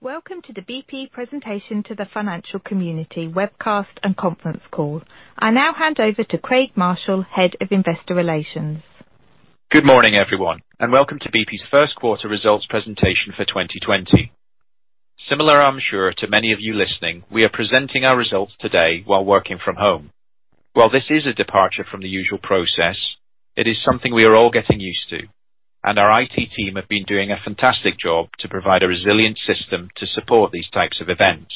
Welcome to the BP presentation to the financial community webcast and conference call. I now hand over to Craig Marshall, Head of Investor Relations. Good morning, everyone, and welcome to BP's first quarter results presentation for 2020. Similar, I'm sure, to many of you listening, we are presenting our results today while working from home. While this is a departure from the usual process, it is something we are all getting used to, and our IT team have been doing a fantastic job to provide a resilient system to support these types of events,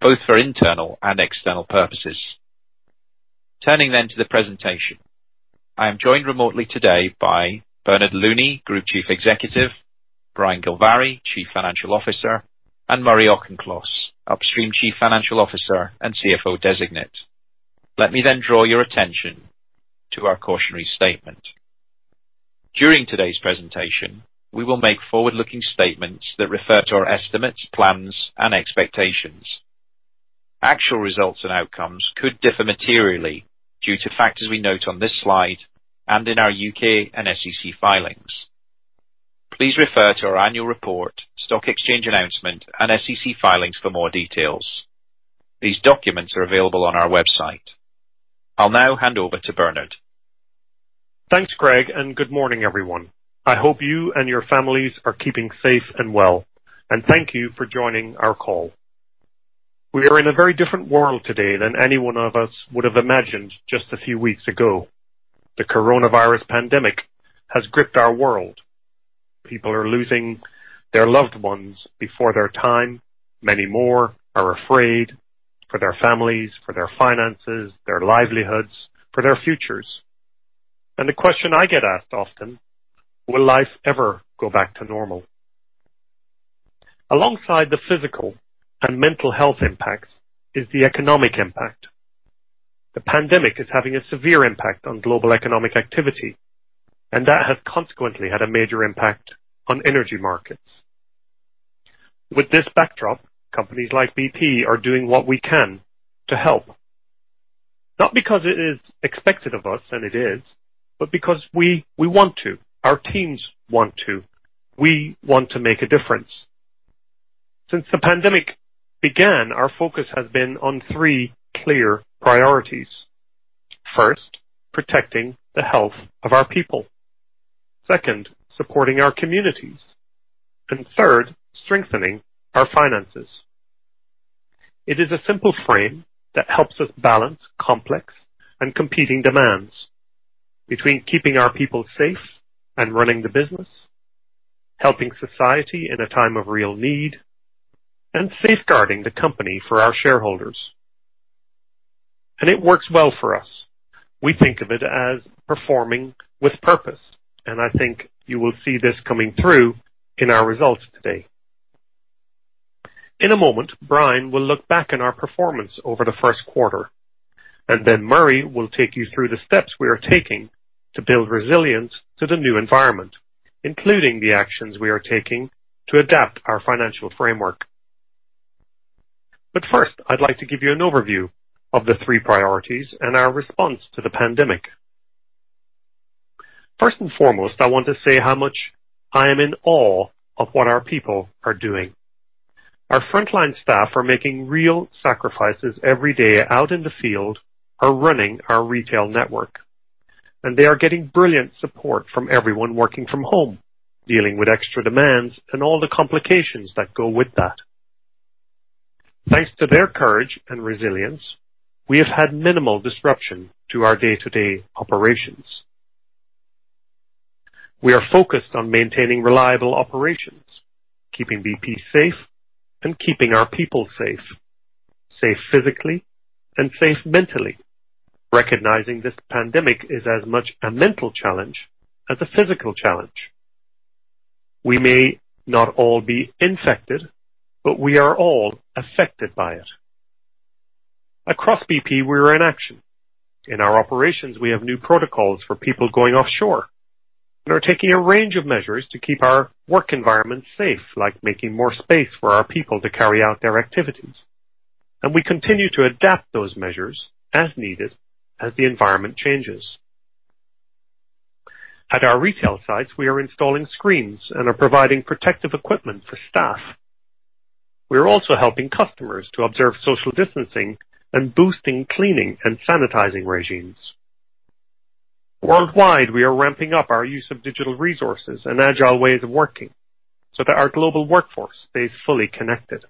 both for internal and external purposes. Turning then to the presentation. I am joined remotely today by Bernard Looney, Group Chief Executive, Brian Gilvary, Chief Financial Officer, and Murray Auchincloss, Upstream Chief Financial Officer and CFO Designate. Let me then draw your attention to our cautionary statement. During today's presentation, we will make forward-looking statements that refer to our estimates, plans, and expectations. Actual results and outcomes could differ materially due to factors we note on this slide and in our U.K. and SEC filings. Please refer to our Annual Report, stock exchange announcement, and SEC filings for more details. These documents are available on our website. I'll now hand over to Bernard. Thanks, Craig. Good morning, everyone. I hope you and your families are keeping safe and well. Thank you for joining our call. We are in a very different world today than any one of us would have imagined just a few weeks ago. The COVID-19 pandemic has gripped our world. People are losing their loved ones before their time. Many more are afraid for their families, for their finances, their livelihoods, for their futures. The question I get asked often, will life ever go back to normal? Alongside the physical and mental health impact is the economic impact. The pandemic is having a severe impact on global economic activity. That has consequently had a major impact on energy markets. With this backdrop, companies like BP are doing what we can to help. Not because it is expected of us, and it is, but because we want to, our teams want to. We want to make a difference. Since the pandemic began, our focus has been on three clear priorities. First, protecting the health of our people. Second, supporting our communities, and third, strengthening our finances. It is a simple frame that helps us balance complex and competing demands between keeping our people safe and running the business, helping society in a time of real need, and safeguarding the company for our shareholders. It works well for us. We think of it as performing with purpose, and I think you will see this coming through in our results today. In a moment, Brian will look back on our performance over the first quarter, and then Murray will take you through the steps we are taking to build resilience to the new environment, including the actions we are taking to adapt our financial framework. First, I'd like to give you an overview of the three priorities and our response to the pandemic. First and foremost, I want to say how much I am in awe of what our people are doing. Our frontline staff are making real sacrifices every day out in the field or running our retail network, and they are getting brilliant support from everyone working from home, dealing with extra demands, and all the complications that go with that. Thanks to their courage and resilience, we have had minimal disruption to our day-to-day operations. We are focused on maintaining reliable operations, keeping BP safe, and keeping our people safe. Safe physically and safe mentally, recognizing this pandemic is as much a mental challenge as a physical challenge. We may not all be infected, but we are all affected by it. Across BP, we are in action. In our operations, we have new protocols for people going offshore and are taking a range of measures to keep our work environment safe, like making more space for our people to carry out their activities. We continue to adapt those measures as needed as the environment changes. At our retail sites, we are installing screens and are providing protective equipment for staff. We are also helping customers to observe social distancing and boosting cleaning and sanitizing regimes. Worldwide, we are ramping up our use of digital resources and Agile ways of working so that our global workforce stays fully connected.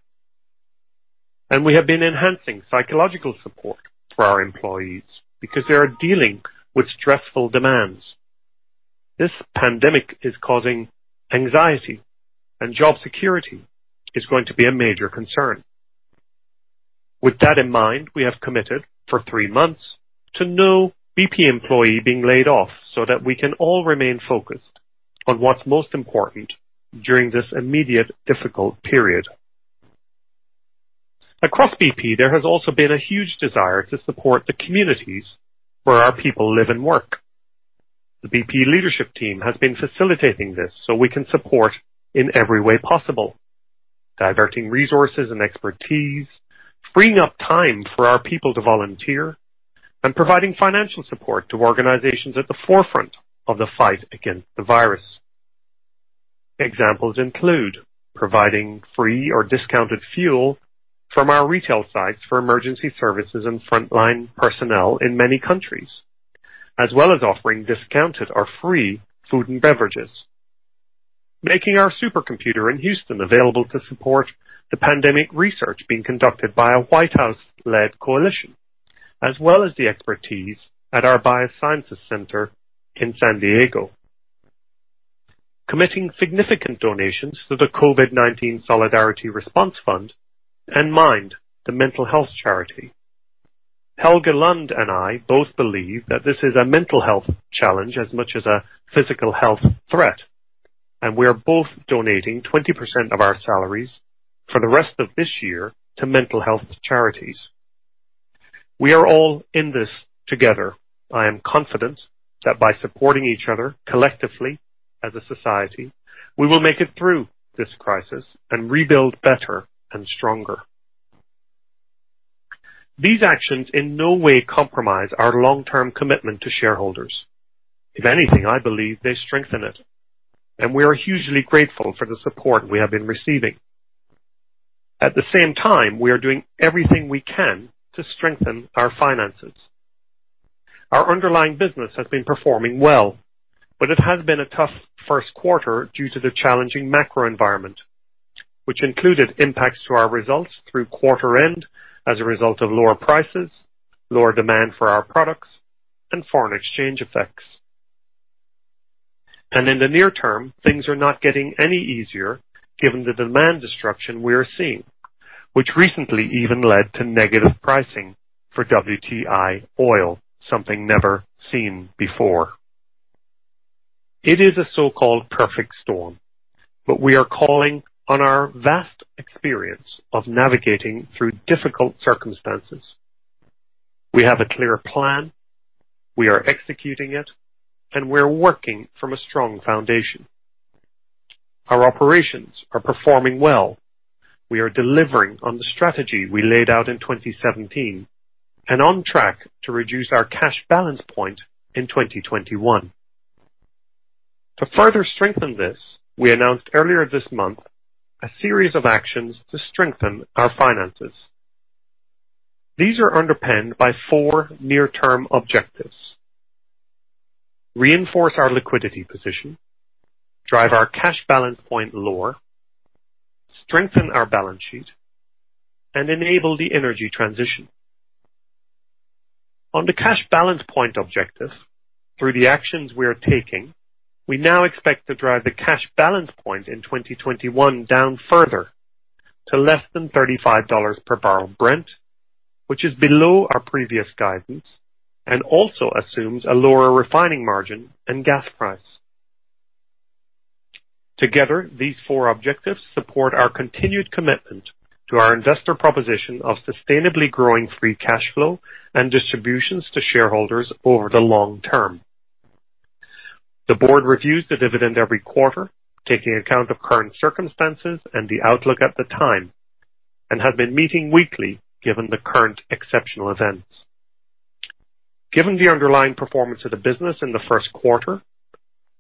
We have been enhancing psychological support for our employees because they are dealing with stressful demands. This pandemic is causing anxiety, and job security is going to be a major concern. With that in mind, we have committed for three months to no BP employee being laid off so that we can all remain focused on what's most important during this immediate difficult period. Across BP, there has also been a huge desire to support the communities where our people live and work. The BP leadership team has been facilitating this so we can support in every way possible, diverting resources and expertise, freeing up time for our people to volunteer and providing financial support to organizations at the forefront of the fight against the virus. Examples include providing free or discounted fuel from our retail sites for emergency services and frontline personnel in many countries, as well as offering discounted or free food and beverages. Making our supercomputer in Houston available to support the pandemic research being conducted by a White House-led coalition, as well as the expertise at our Biosciences Center in San Diego. Committing significant donations to the COVID-19 Solidarity Response Fund and Mind, the mental health charity. Helge Lund and I both believe that this is a mental health challenge as much as a physical health threat, and we are both donating 20% of our salaries for the rest of this year to mental health charities. We are all in this together. I am confident that by supporting each other collectively as a society, we will make it through this crisis and rebuild better and stronger. These actions in no way compromise our long-term commitment to shareholders. If anything, I believe they strengthen it, and we are hugely grateful for the support we have been receiving. At the same time, we are doing everything we can to strengthen our finances. Our underlying business has been performing well, but it has been a tough first quarter due to the challenging macro environment, which included impacts to our results through quarter end as a result of lower prices, lower demand for our products, and foreign exchange effects. In the near term, things are not getting any easier given the demand destruction we are seeing, which recently even led to negative pricing for WTI oil, something never seen before. It is a so-called perfect storm. We are calling on our vast experience of navigating through difficult circumstances. We have a clear plan, we are executing it, and we're working from a strong foundation. Our operations are performing well. We are delivering on the strategy we laid out in 2017 and on track to reduce our cash balance point in 2021. To further strengthen this, we announced earlier this month a series of actions to strengthen our finances. These are underpinned by four near-term objectives. Reinforce our liquidity position, drive our cash balance point lower, strengthen our balance sheet, and enable the energy transition. On the cash balance point objective, through the actions we are taking, we now expect to drive the cash balance point in 2021 down further to less than $35 per barrel of Brent, which is below our previous guidance and also assumes a lower refining margin and gas price. Together, these four objectives support our continued commitment to our investor proposition of sustainably growing free cash flow and distributions to shareholders over the long term. The board reviews the dividend every quarter, taking account of current circumstances and the outlook at the time, and have been meeting weekly given the current exceptional events. Given the underlying performance of the business in the first quarter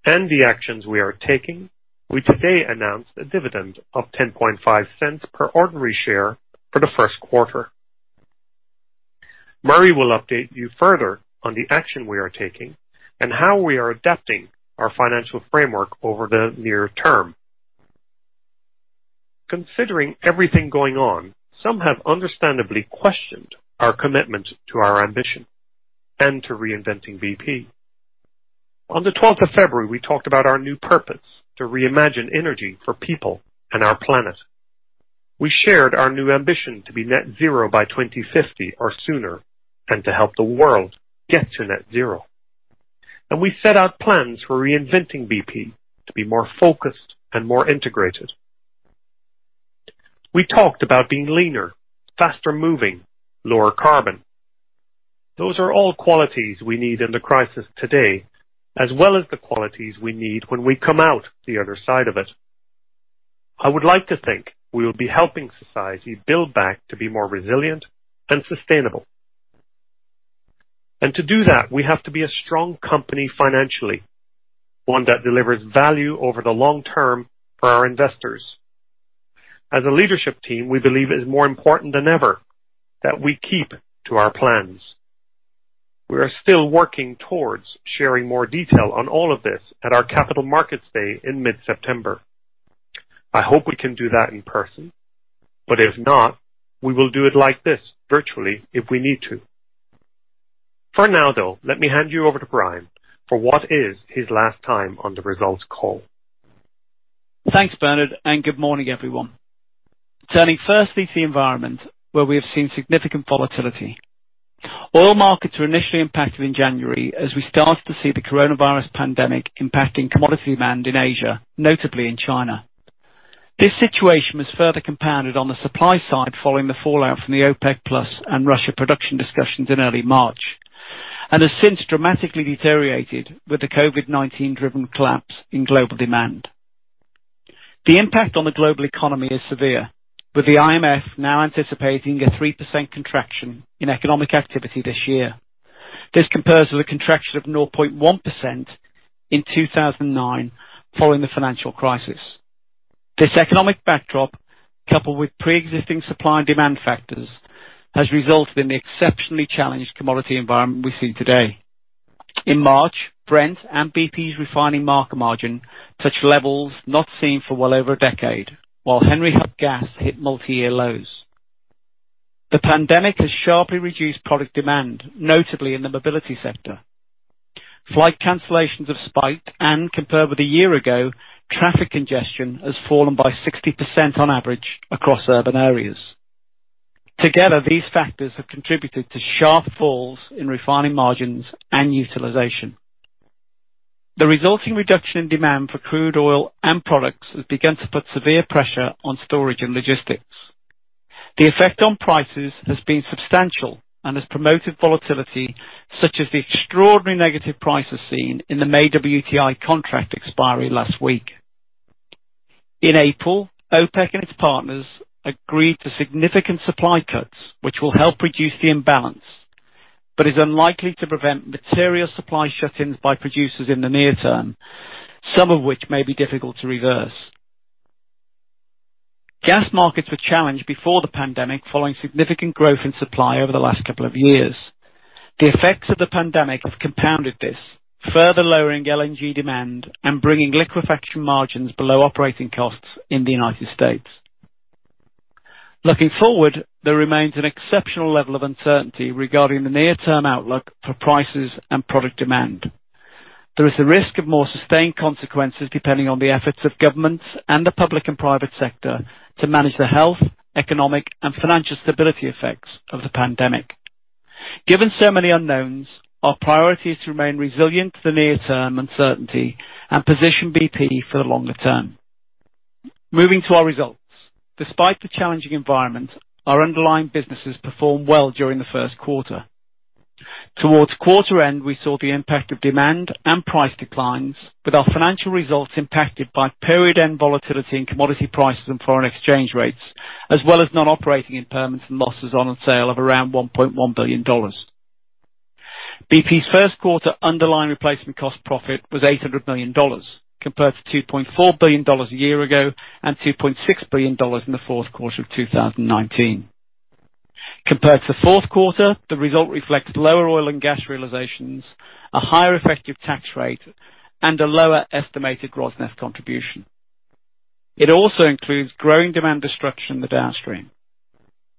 and the actions we are taking, we today announced a dividend of $0.105 per ordinary share for the first quarter. Murray will update you further on the action we are taking and how we are adapting our financial framework over the near term. Considering everything going on, some have understandably questioned our commitment to our ambition and to reinventing BP. On the 12th of February, we talked about our new purpose, to reimagine energy for people and our planet. We shared our new ambition to be net zero by 2050 or sooner, and to help the world get to net zero. We set out plans for reinventing BP to be more focused and more integrated. We talked about being leaner, faster moving, lower carbon. Those are all qualities we need in the crisis today, as well as the qualities we need when we come out the other side of it. I would like to think we will be helping society build back to be more resilient and sustainable. To do that, we have to be a strong company financially, one that delivers value over the long term for our investors. As a leadership team, we believe it is more important than ever that we keep to our plans. We are still working towards sharing more detail on all of this at our Capital Markets Day in mid-September. I hope we can do that in person. If not, we will do it like this virtually if we need to. For now, though, let me hand you over to Brian for what is his last time on the results call. Thanks, Bernard. Good morning, everyone. Turning firstly to the environment where we have seen significant volatility. Oil markets were initially impacted in January as we started to see the coronavirus pandemic impacting commodity demand in Asia, notably in China. This situation was further compounded on the supply side following the fallout from the OPEC+ and Russia production discussions in early March. Has since dramatically deteriorated with the COVID-19 driven collapse in global demand. The impact on the global economy is severe, with the IMF now anticipating a 3% contraction in economic activity this year. This compares with a contraction of 0.1% in 2009 following the financial crisis. This economic backdrop, coupled with preexisting supply and demand factors, has resulted in the exceptionally challenged commodity environment we see today. In March, Brent and BP's refining market margin touched levels not seen for well over a decade, while Henry Hub gas hit multi-year lows. The pandemic has sharply reduced product demand, notably in the mobility sector. Flight cancellations have spiked and compared with a year ago, traffic congestion has fallen by 60% on average across urban areas. Together, these factors have contributed to sharp falls in refining margins and utilization. The resulting reduction in demand for crude oil and products has begun to put severe pressure on storage and logistics. The effect on prices has been substantial and has promoted volatility, such as the extraordinary negative prices seen in the May WTI contract expiry last week. In April, OPEC and its partners agreed to significant supply cuts, which will help reduce the imbalance but is unlikely to prevent material supply shut-ins by producers in the near term, some of which may be difficult to reverse. Gas markets were challenged before the pandemic following significant growth in supply over the last couple of years. The effects of the pandemic have compounded this, further lowering LNG demand and bringing liquefaction margins below operating costs in the United States. Looking forward, there remains an exceptional level of uncertainty regarding the near-term outlook for prices and product demand. There is a risk of more sustained consequences depending on the efforts of governments and the public and private sector to manage the health, economic, and financial stability effects of the pandemic. Given so many unknowns, our priority is to remain resilient to the near-term uncertainty and position BP for the longer term. Moving to our results. Despite the challenging environment, our underlying businesses performed well during the first quarter. Towards quarter end, we saw the impact of demand and price declines, with our financial results impacted by period end volatility in commodity prices and foreign exchange rates, as well as non-operating impairments and losses on sale of around $1.1 billion. BP's first quarter underlying replacement cost profit was $800 million, compared to $2.4 billion a year ago and $2.6 billion in the fourth quarter of 2019. Compared to the fourth quarter, the result reflects lower oil and gas realizations, a higher effective tax rate, and a lower estimated Rosneft contribution. It also includes growing demand destruction in the downstream.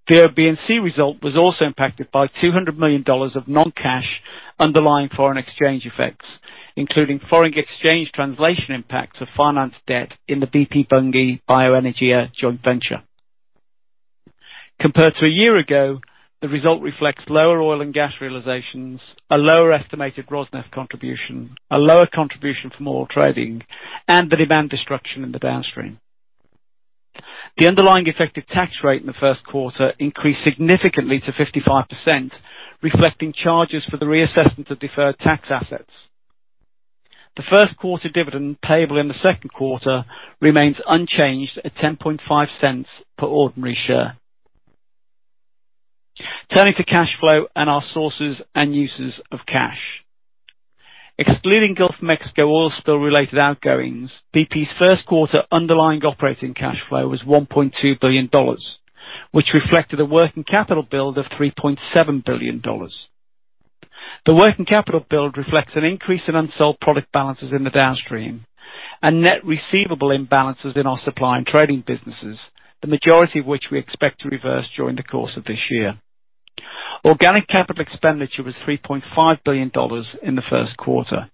The OB&C result was also impacted by $200 million of non-cash underlying foreign exchange effects, including foreign exchange translation impacts of finance debt in the BP Bunge Bioenergia joint venture. Compared to a year ago, the result reflects lower oil and gas realizations, a lower estimated Rosneft contribution, a lower contribution from oil trading, and the demand destruction in the downstream. The underlying effective tax rate in the first quarter increased significantly to 55%, reflecting charges for the reassessment of deferred tax assets. The first-quarter dividend payable in the second quarter remains unchanged at $0.105 per ordinary share. Turning to cash flow and our sources and uses of cash. Excluding Gulf of Mexico oil spill-related outgoings, BP's first quarter underlying operating cash flow was $1.2 billion, which reflected a working capital build of $3.7 billion. The working capital build reflects an increase in unsold product balances in the downstream and net receivable imbalances in our supply and trading businesses, the majority of which we expect to reverse during the course of this year. Organic capital expenditure was $3.5 billion in the first quarter.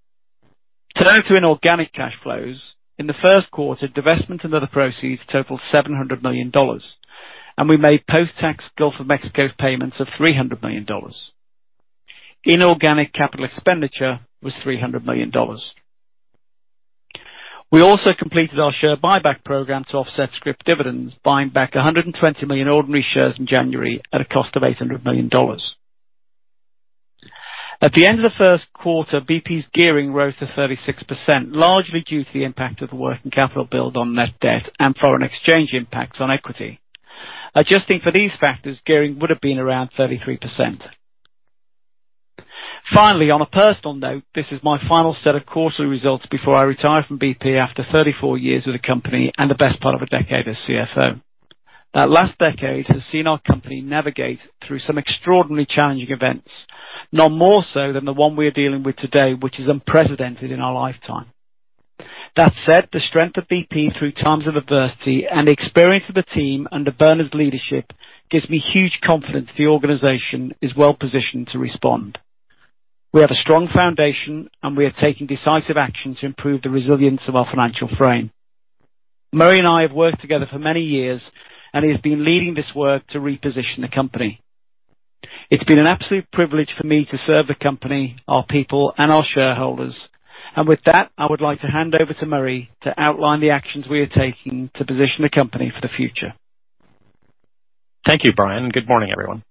Turning to inorganic cash flows. In the first quarter, divestments and other proceeds totaled $700 million, and we made post-tax Gulf of Mexico payments of $300 million. Inorganic capital expenditure was $300 million. We also completed our share buyback program to offset scrip dividends, buying back 120 million ordinary shares in January at a cost of $800 million. At the end of the first quarter, BP's gearing rose to 36%, largely due to the impact of the working capital build on net debt and foreign exchange impacts on equity. Adjusting for these factors, gearing would have been around 33%. Finally, on a personal note, this is my final set of quarterly results before I retire from BP after 34 years with the company and the best part of a decade as CFO. That last decade has seen our company navigate through some extraordinarily challenging events, none more so than the one we are dealing with today, which is unprecedented in our lifetime. That said, the strength of BP through times of adversity and experience of the team under Bernard's leadership gives me huge confidence the organization is well-positioned to respond. We have a strong foundation, and we are taking decisive action to improve the resilience of our financial frame. Murray and I have worked together for many years, and he has been leading this work to reposition the company. It's been an absolute privilege for me to serve the company, our people, and our shareholders. With that, I would like to hand over to Murray to outline the actions we are taking to position the company for the future. Thank you, Brian, good morning, everyone.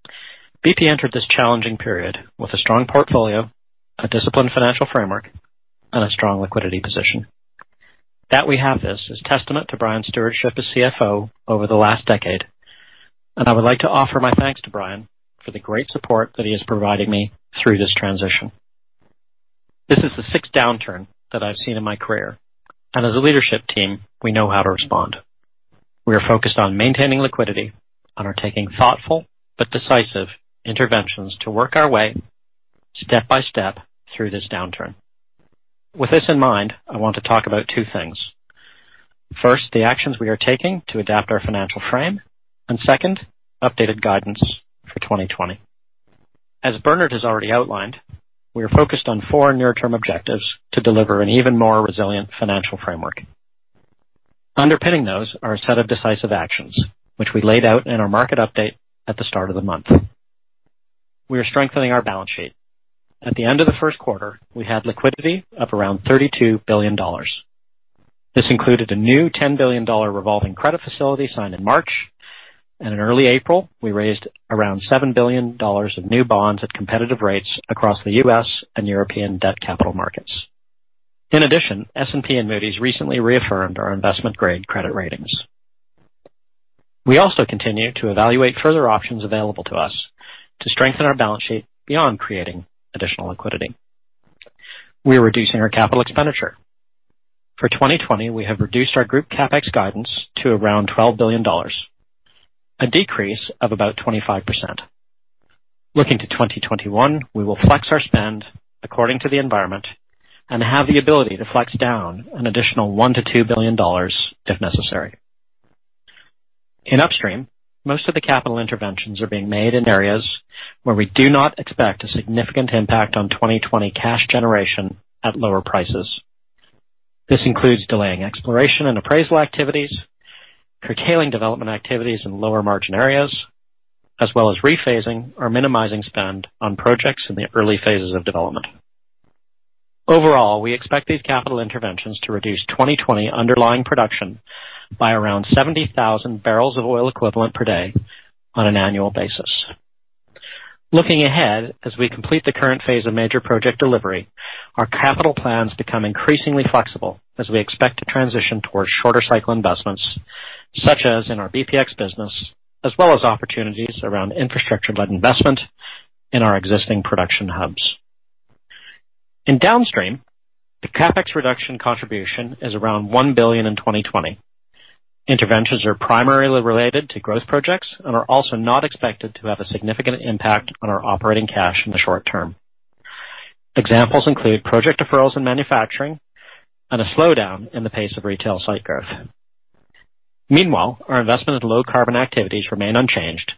BP entered this challenging period with a strong portfolio, a disciplined financial framework, and a strong liquidity position. That we have this is testament to Brian's stewardship as CFO over the last decade. I would like to offer my thanks to Brian for the great support that he has provided me through this transition. This is the sixth downturn that I've seen in my career. As a leadership team, we know how to respond. We are focused on maintaining liquidity and are taking thoughtful but decisive interventions to work our way step by step through this downturn. With this in mind, I want to talk about two things. First, the actions we are taking to adapt our financial frame, and second, updated guidance for 2020. As Bernard has already outlined, we are focused on four near-term objectives to deliver an even more resilient financial framework. Underpinning those are a set of decisive actions, which we laid out in our market update at the start of the month. We are strengthening our balance sheet. At the end of the first quarter, we had liquidity of around $32 billion. This included a new $10 billion revolving credit facility signed in March. In early April, we raised around $7 billion of new bonds at competitive rates across the U.S. and European debt capital markets. In addition, S&P and Moody's recently reaffirmed our investment-grade credit ratings. We also continue to evaluate further options available to us to strengthen our balance sheet beyond creating additional liquidity. We are reducing our capital expenditure. For 2020, we have reduced our group CapEx guidance to around $12 billion, a decrease of about 25%. Looking to 2021, we will flex our spend according to the environment and have the ability to flex down an additional $1 billion-$2 billion if necessary. In Upstream, most of the capital interventions are being made in areas where we do not expect a significant impact on 2020 cash generation at lower prices. This includes delaying exploration and appraisal activities, curtailing development activities in lower margin areas, as well as rephasing or minimizing spend on projects in the early phases of development. Overall, we expect these capital interventions to reduce 2020 underlying production by around 70,000 bbl of oil equivalent per day on an annual basis. Looking ahead, as we complete the current phase of major project delivery, our capital plans become increasingly flexible as we expect to transition towards shorter cycle investments, such as in our BPX business, as well as opportunities around infrastructure-led investment in our existing production hubs. In Downstream, the CapEx reduction contribution is around $1 billion in 2020. Interventions are primarily related to growth projects and are also not expected to have a significant impact on our operating cash in the short term. Examples include project deferrals in manufacturing and a slowdown in the pace of retail site growth. Meanwhile, our investment in low carbon activities remain unchanged,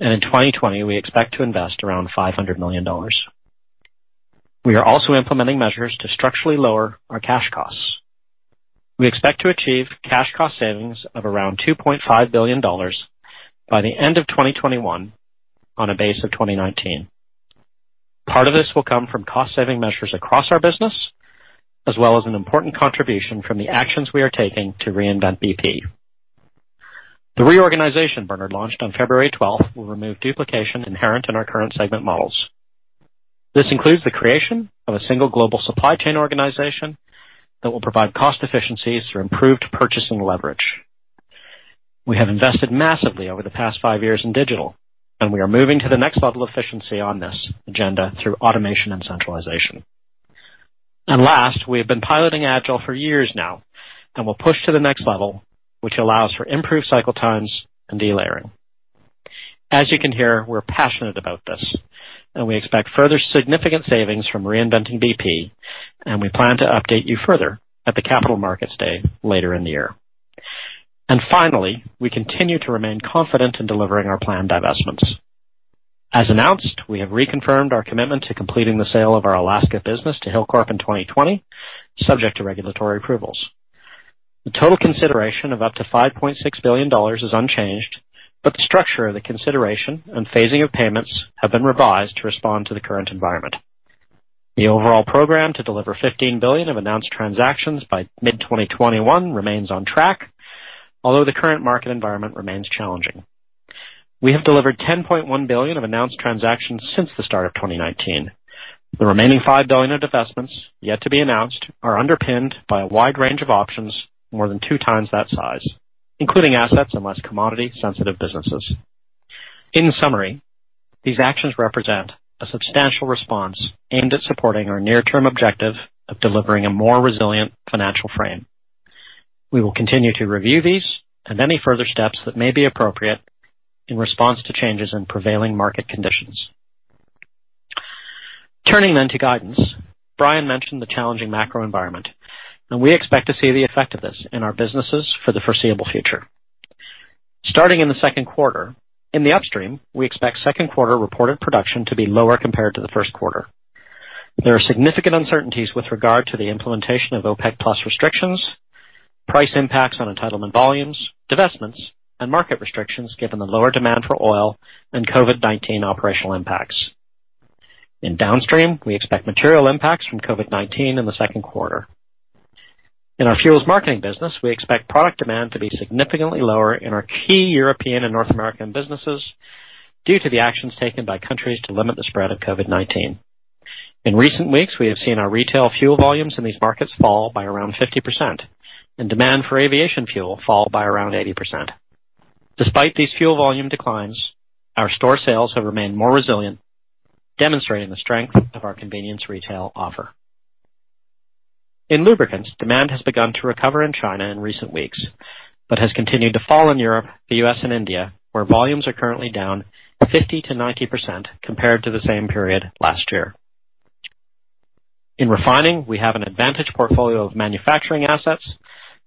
and in 2020, we expect to invest around $500 million. We are also implementing measures to structurally lower our cash costs. We expect to achieve cash cost savings of around $2.5 billion by the end of 2021 on a base of 2019. Part of this will come from cost-saving measures across our business, as well as an important contribution from the actions we are taking to reinvent BP. The reorganization Bernard launched on February 12th will remove duplication inherent in our current segment models. This includes the creation of a single global supply chain organization that will provide cost efficiencies through improved purchasing leverage. We have invested massively over the past five years in digital, we are moving to the next level of efficiency on this agenda through automation and centralization. Last, we have been piloting Agile for years now and will push to the next level, which allows for improved cycle times and delayering. As you can hear, we're passionate about this, and we expect further significant savings from reinventing BP, and we plan to update you further at the Capital Markets Day later in the year. Finally, we continue to remain confident in delivering our planned divestments. As announced, we have reconfirmed our commitment to completing the sale of our Alaska business to Hilcorp in 2020, subject to regulatory approvals. The total consideration of up to $5.6 billion is unchanged, but the structure of the consideration and phasing of payments have been revised to respond to the current environment. The overall program to deliver $15 billion of announced transactions by mid-2021 remains on track, although the current market environment remains challenging. We have delivered $10.1 billion of announced transactions since the start of 2019. The remaining $5 billion of divestments yet to be announced are underpinned by a wide range of options more than 2x that size, including assets and less commodity-sensitive businesses. In summary, these actions represent a substantial response aimed at supporting our near-term objective of delivering a more resilient financial frame. We will continue to review these and any further steps that may be appropriate in response to changes in prevailing market conditions. Turning to guidance. Brian mentioned the challenging macro environment, and we expect to see the effect of this in our businesses for the foreseeable future. Starting in the second quarter, in the Upstream, we expect second quarter reported production to be lower compared to the first quarter. There are significant uncertainties with regard to the implementation of OPEC+ restrictions, price impacts on entitlement volumes, divestments, and market restrictions given the lower demand for oil and COVID-19 operational impacts. In Downstream, we expect material impacts from COVID-19 in the second quarter. In our Fuels Marketing business, we expect product demand to be significantly lower in our key European and North American businesses due to the actions taken by countries to limit the spread of COVID-19. In recent weeks, we have seen our retail fuel volumes in these markets fall by around 50%, and demand for aviation fuel fall by around 80%. Despite these fuel volume declines, our store sales have remained more resilient, demonstrating the strength of our convenience retail offer. In Lubricants, demand has begun to recover in China in recent weeks, but has continued to fall in Europe, the U.S., and India, where volumes are currently down 50%-90% compared to the same period last year. In Refining, we have an advantaged portfolio of manufacturing assets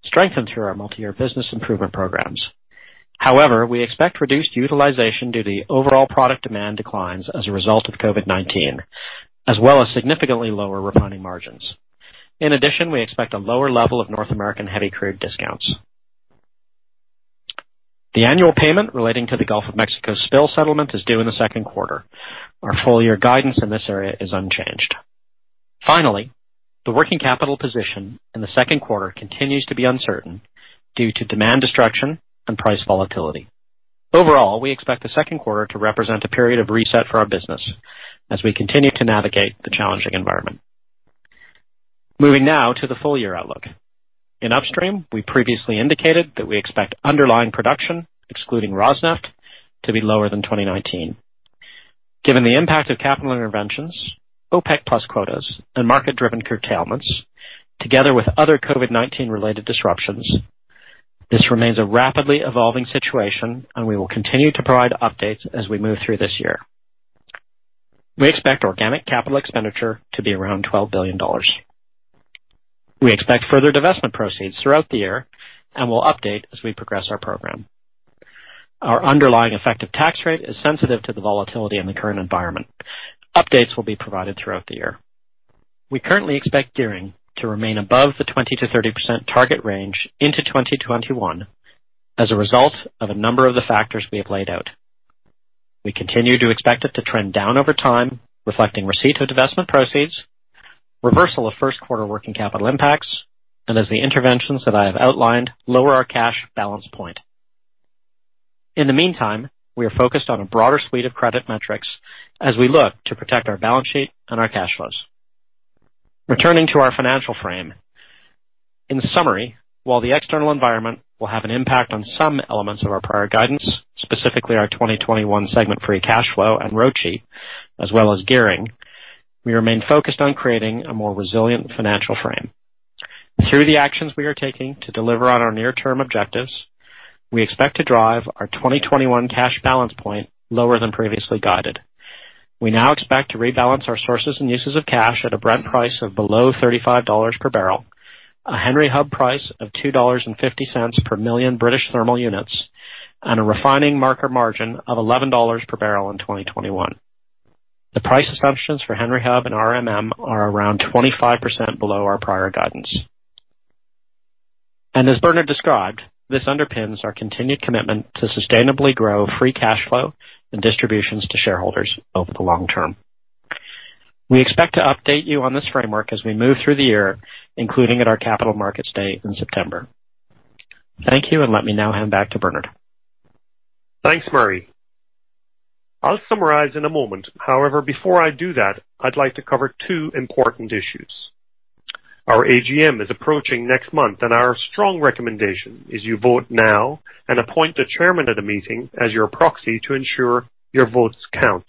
strengthened through our multi-year business improvement programs. However, we expect reduced utilization due to the overall product demand declines as a result of COVID-19, as well as significantly lower refining margins. In addition, we expect a lower level of North American heavy crude discounts. The annual payment relating to the Gulf of Mexico spill settlement is due in the second quarter. Our full-year guidance in this area is unchanged. Finally, the working capital position in the second quarter continues to be uncertain due to demand destruction and price volatility. Overall, we expect the second quarter to represent a period of reset for our business as we continue to navigate the challenging environment. Moving now to the full-year outlook. In Upstream, we previously indicated that we expect underlying production, excluding Rosneft, to be lower than 2019. Given the impact of capital interventions, OPEC+ quotas, and market-driven curtailments, together with other COVID-19-related disruptions, this remains a rapidly evolving situation, and we will continue to provide updates as we move through this year. We expect organic capital expenditure to be around $12 billion. We expect further divestment proceeds throughout the year, and will update as we progress our program. Our underlying effective tax rate is sensitive to the volatility in the current environment. Updates will be provided throughout the year. We currently expect gearing to remain above the 20%-30% target range into 2021 as a result of a number of the factors we have laid out. We continue to expect it to trend down over time, reflecting receipt of divestment proceeds, reversal of first quarter working capital impacts, and as the interventions that I have outlined lower our cash balance point. In the meantime, we are focused on a broader suite of credit metrics as we look to protect our balance sheet and our cash flows. Returning to our financial frame. In summary, while the external environment will have an impact on some elements of our prior guidance, specifically our 2021 segment free cash flow and ROCE, as well as gearing, we remain focused on creating a more resilient financial frame. Through the actions we are taking to deliver on our near-term objectives, we expect to drive our 2021 cash balance point lower than previously guided. We now expect to rebalance our sources and uses of cash at a Brent price of below $35 per barrel, a Henry Hub price of $2.50 per million British thermal units, and a refining marker margin of $11 per barrel in 2021. The price assumptions for Henry Hub and RMM are around 25% below our prior guidance. As Bernard described, this underpins our continued commitment to sustainably grow free cash flow and distributions to shareholders over the long term. We expect to update you on this framework as we move through the year, including at our Capital Markets Day in September. Thank you. Let me now hand back to Bernard. Thanks, Murray. I'll summarize in a moment. Before I do that, I'd like to cover two important issues. Our AGM is approaching next month, and our strong recommendation is you vote now and appoint the chairman of the meeting as your proxy to ensure your votes count.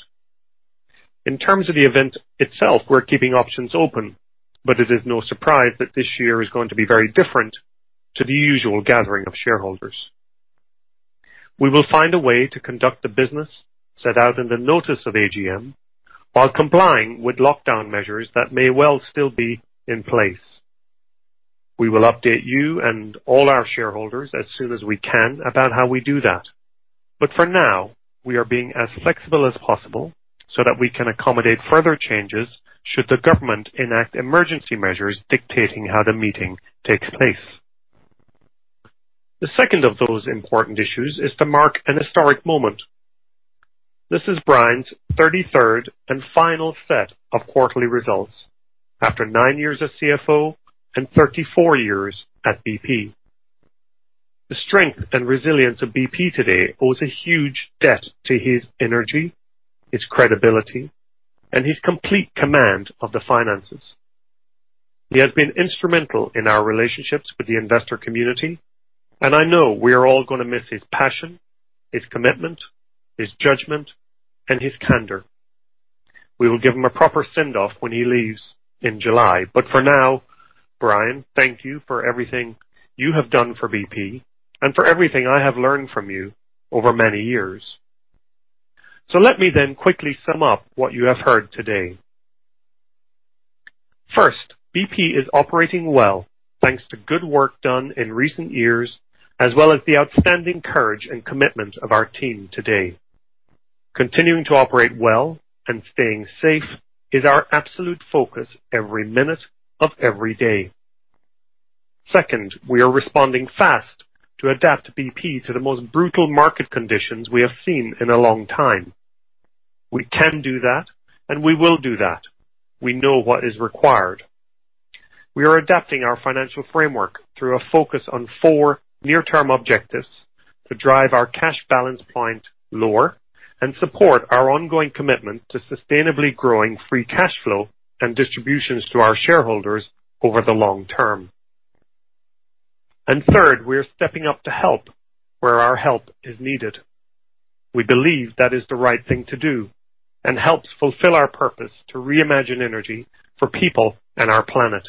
In terms of the event itself, we're keeping options open, but it is no surprise that this year is going to be very different to the usual gathering of shareholders. We will find a way to conduct the business set out in the Notice of AGM while complying with lockdown measures that may well still be in place. We will update you and all our shareholders as soon as we can about how we do that. For now, we are being as flexible as possible so that we can accommodate further changes should the government enact emergency measures dictating how the meeting takes place. The second of those important issues is to mark an historic moment. This is Brian's 33rd and final set of quarterly results after nine years as CFO and 34 years at BP. The strength and resilience of BP today owes a huge debt to his energy, his credibility, and his complete command of the finances. He has been instrumental in our relationships with the investor community, and I know we are all going to miss his passion, his commitment, his judgment, and his candor. We will give him a proper send-off when he leaves in July. For now, Brian, thank you for everything you have done for BP and for everything I have learned from you over many years. Let me then quickly sum up what you have heard today. First, BP is operating well, thanks to good work done in recent years, as well as the outstanding courage and commitment of our team today. Continuing to operate well and staying safe is our absolute focus every minute of every day. Second, we are responding fast to adapt BP to the most brutal market conditions we have seen in a long time. We can do that, and we will do that. We know what is required. We are adapting our financial framework through a focus on four near-term objectives to drive our cash balance point lower and support our ongoing commitment to sustainably growing free cash flow and distributions to our shareholders over the long term. Third, we are stepping up to help where our help is needed. We believe that is the right thing to do and helps fulfill our purpose to reimagine energy for people and our planet.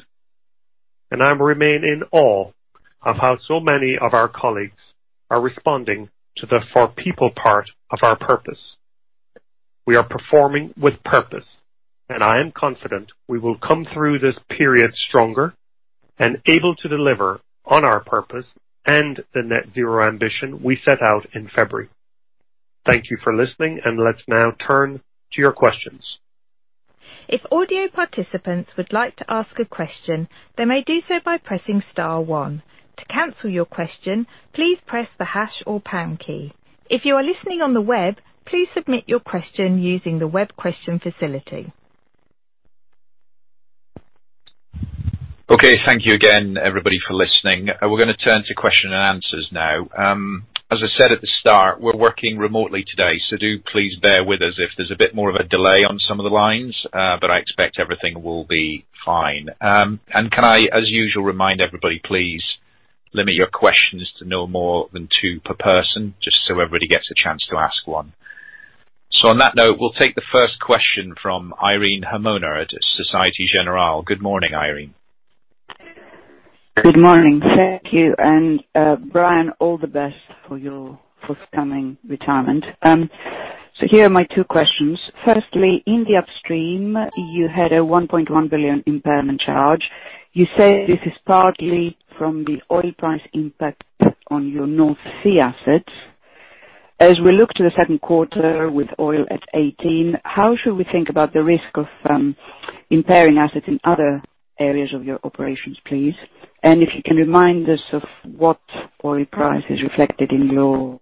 I remain in awe of how so many of our colleagues are responding to the for people part of our purpose. We are performing with purpose, and I am confident we will come through this period stronger and able to deliver on our purpose and the net zero ambition we set out in February. Thank you for listening, and let's now turn to your questions. If audio participants would like to ask a question, they may do so by pressing star one. To cancel your question, please press the hash or pound key. If you are listening on the web, please submit your question using the web question facility. Okay. Thank you again, everybody, for listening. We're going to turn to question and answers now. As I said at the start, we're working remotely today, so do please bear with us if there's a bit more of a delay on some of the lines. I expect everything will be fine. Can I, as usual, remind everybody, please limit your questions to no more than two per person, just so everybody gets a chance to ask one. On that note, we'll take the first question from Irene Himona at Société Générale. Good morning, Irene. Good morning. Thank you. Brian, all the best for your forthcoming retirement. Here are my two questions. Firstly, in the upstream, you had a $1.1 billion impairment charge. You said this is partly from the oil price impact on your North Sea assets. As we look to the second quarter with oil at $18, how should we think about the risk of impairing assets in other areas of your operations, please? If you can remind us of what oil price is reflected in your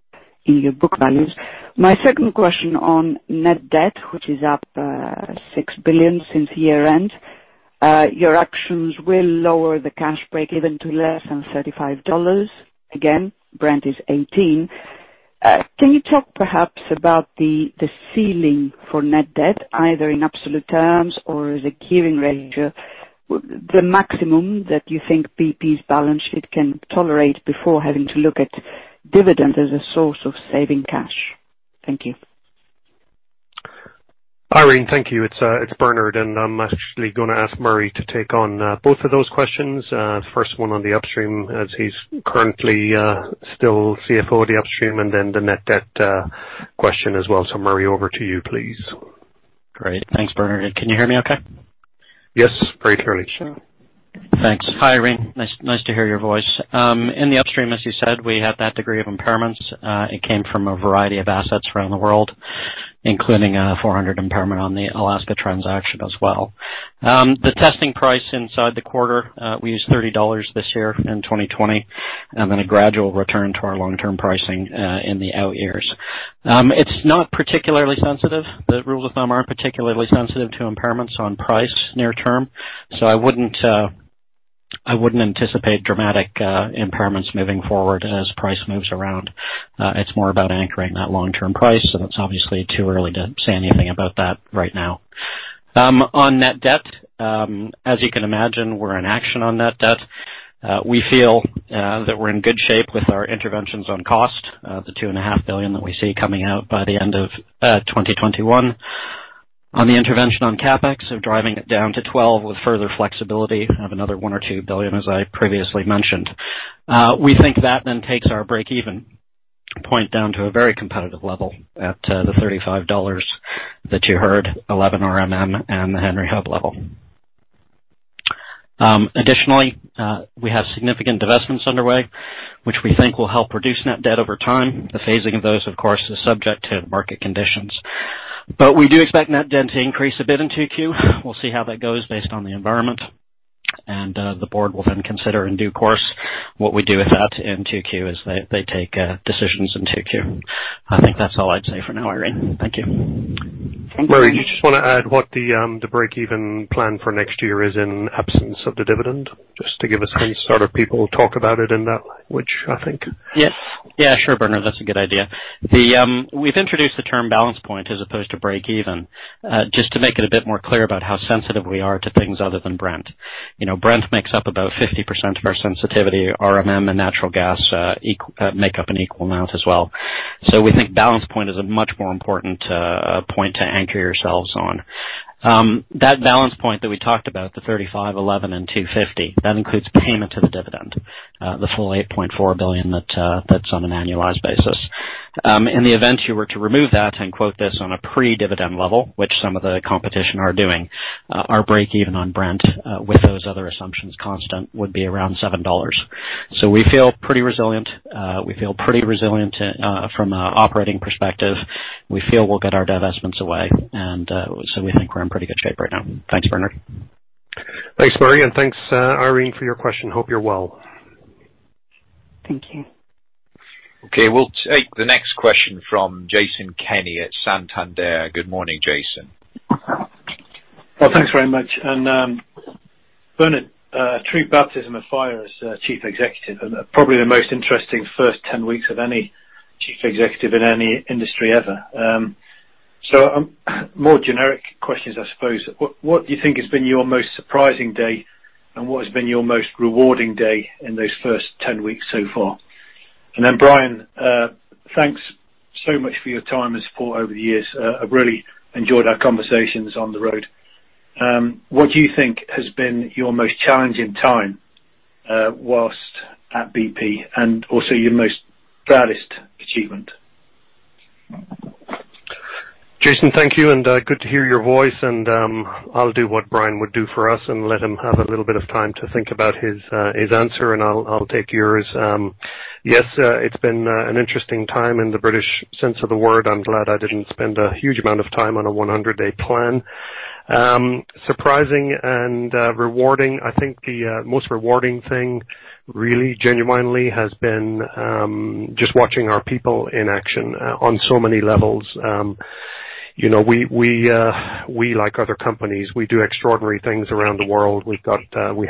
book values. My second question on net debt, which is up $6 billion since year-end. Your actions will lower the cash break even to less than $35. Again, Brent is $18. Can you talk perhaps about the ceiling for net debt, either in absolute terms or as a gearing range? The maximum that you think BP's balance sheet can tolerate before having to look at dividend as a source of saving cash? Thank you. Irene, thank you. It's Bernard. I'm actually going to ask Murray to take on both of those questions. First one on the Upstream as he's currently still CFO of the Upstream. Then the net debt question as well. Murray, over to you, please. Great. Thanks, Bernard. Can you hear me okay? Yes, very clearly. Sure. Thanks. Hi, Irene. Nice to hear your voice. In the Upstream, as you said, we had that degree of impairments. It came from a variety of assets around the world, including a $400 million impairment on the Alaska transaction as well. The testing price inside the quarter, we used $30 this year in 2020, and then a gradual return to our long-term pricing in the out years. It's not particularly sensitive. The rule of thumb aren't particularly sensitive to impairments on price near term. I wouldn't anticipate dramatic impairments moving forward as price moves around. It's more about anchoring that long-term price. It's obviously too early to say anything about that right now. On net debt, as you can imagine, we're in action on net debt. We feel that we're in good shape with our interventions on cost, the $2.5 billion that we see coming out by the end of 2021. On the intervention on CapEx, driving it down to $12 billion with further flexibility of another $1 billion or $2 billion, as I previously mentioned. We think that takes our break-even point down to a very competitive level at the $35 that you heard, $11 RMM and the Henry Hub level. Additionally, we have significant divestments underway, which we think will help reduce net debt over time. The phasing of those, of course, is subject to market conditions. We do expect net debt to increase a bit in 2Q. We'll see how that goes based on the environment. The board will then consider in due course, what we do with that in 2Q is they take decisions in 2Q. I think that's all I'd say for now, Irene. Thank you. Murray, do you just want to add what the break-even plan for next year is in absence of the dividend? Just to give us some sort of people talk about it in that which I think. Yes. Sure, Bernard. That's a good idea. We've introduced the term balance point as opposed to break-even, just to make it a bit more clear about how sensitive we are to things other than Brent. Brent makes up about 50% of our sensitivity. RMM and natural gas make up an equal amount as well. We think balance point is a much more important point to anchor yourselves on. That balance point that we talked about, the $35, $11, and $2.50, that includes payment of the dividend, the full $8.4 billion that's on an annualized basis. In the event you were to remove that and quote this on a pre-dividend level, which some of the competition are doing, our break-even on Brent, with those other assumptions constant, would be around $7. We feel pretty resilient. We feel pretty resilient from an operating perspective. We feel we'll get our divestments away. We think we're in pretty good shape right now. Thanks, Bernard. Thanks, Murray, and thanks, Irene, for your question. Hope you're well. Thank you. Okay. We'll take the next question from Jason Kenney at Santander. Good morning, Jason. Thanks very much. Bernard, a true baptism of fire as chief executive, and probably the most interesting first 10 weeks of any chief executive in any industry ever. More generic questions, I suppose. What do you think has been your most surprising day, and what has been your most rewarding day in those first 10 weeks so far? Brian, thanks so much for your time and support over the years. I've really enjoyed our conversations on the road. What do you think has been your most challenging time, whilst at BP and also your most proudest achievement? Jason, thank you and good to hear your voice. I'll do what Brian would do for us and let him have a little bit of time to think about his answer, and I'll take yours. It's been an interesting time in the British sense of the word. I'm glad I didn't spend a huge amount of time on a 100-day plan. Surprising and rewarding. I think the most rewarding thing really, genuinely has been just watching our people in action on so many levels. We like other companies. We do extraordinary things around the world. We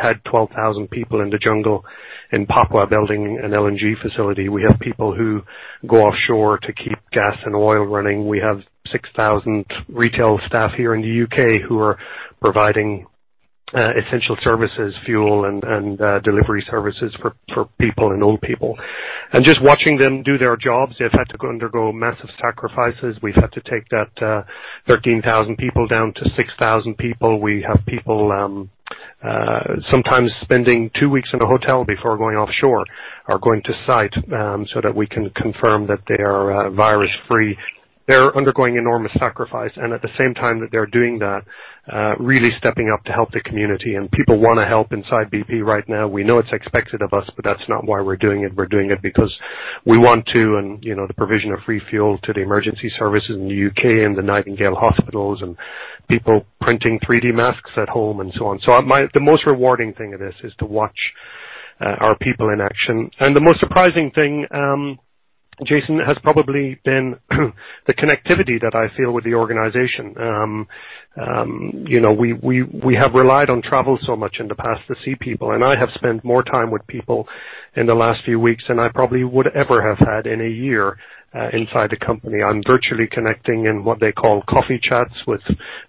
had 12,000 people in the jungle in Papua building an LNG facility. We have people who go offshore to keep gas and oil running. We have 6,000 retail staff here in the U.K. who are providing essential services, fuel and delivery services for people and old people. Just watching them do their jobs, they've had to undergo massive sacrifices. We've had to take that 13,000 people down to 6,000 people. We have people sometimes spending two weeks in a hotel before going offshore or going to site, so that we can confirm that they are virus-free. They're undergoing enormous sacrifice, and at the same time that they're doing that, really stepping up to help the community. People want to help inside BP right now. We know it's expected of us, but that's not why we're doing it. We're doing it because we want to and the provision of free fuel to the emergency services in the U.K. and the Nightingale hospitals and people printing 3D masks at home and so on. The most rewarding thing of this is to watch our people in action. The most surprising thing, Jason, has probably been the connectivity that I feel with the organization. We have relied on travel so much in the past to see people, I have spent more time with people in the last few weeks than I probably would ever have had in a year inside the company. I'm virtually connecting in what they call coffee chats with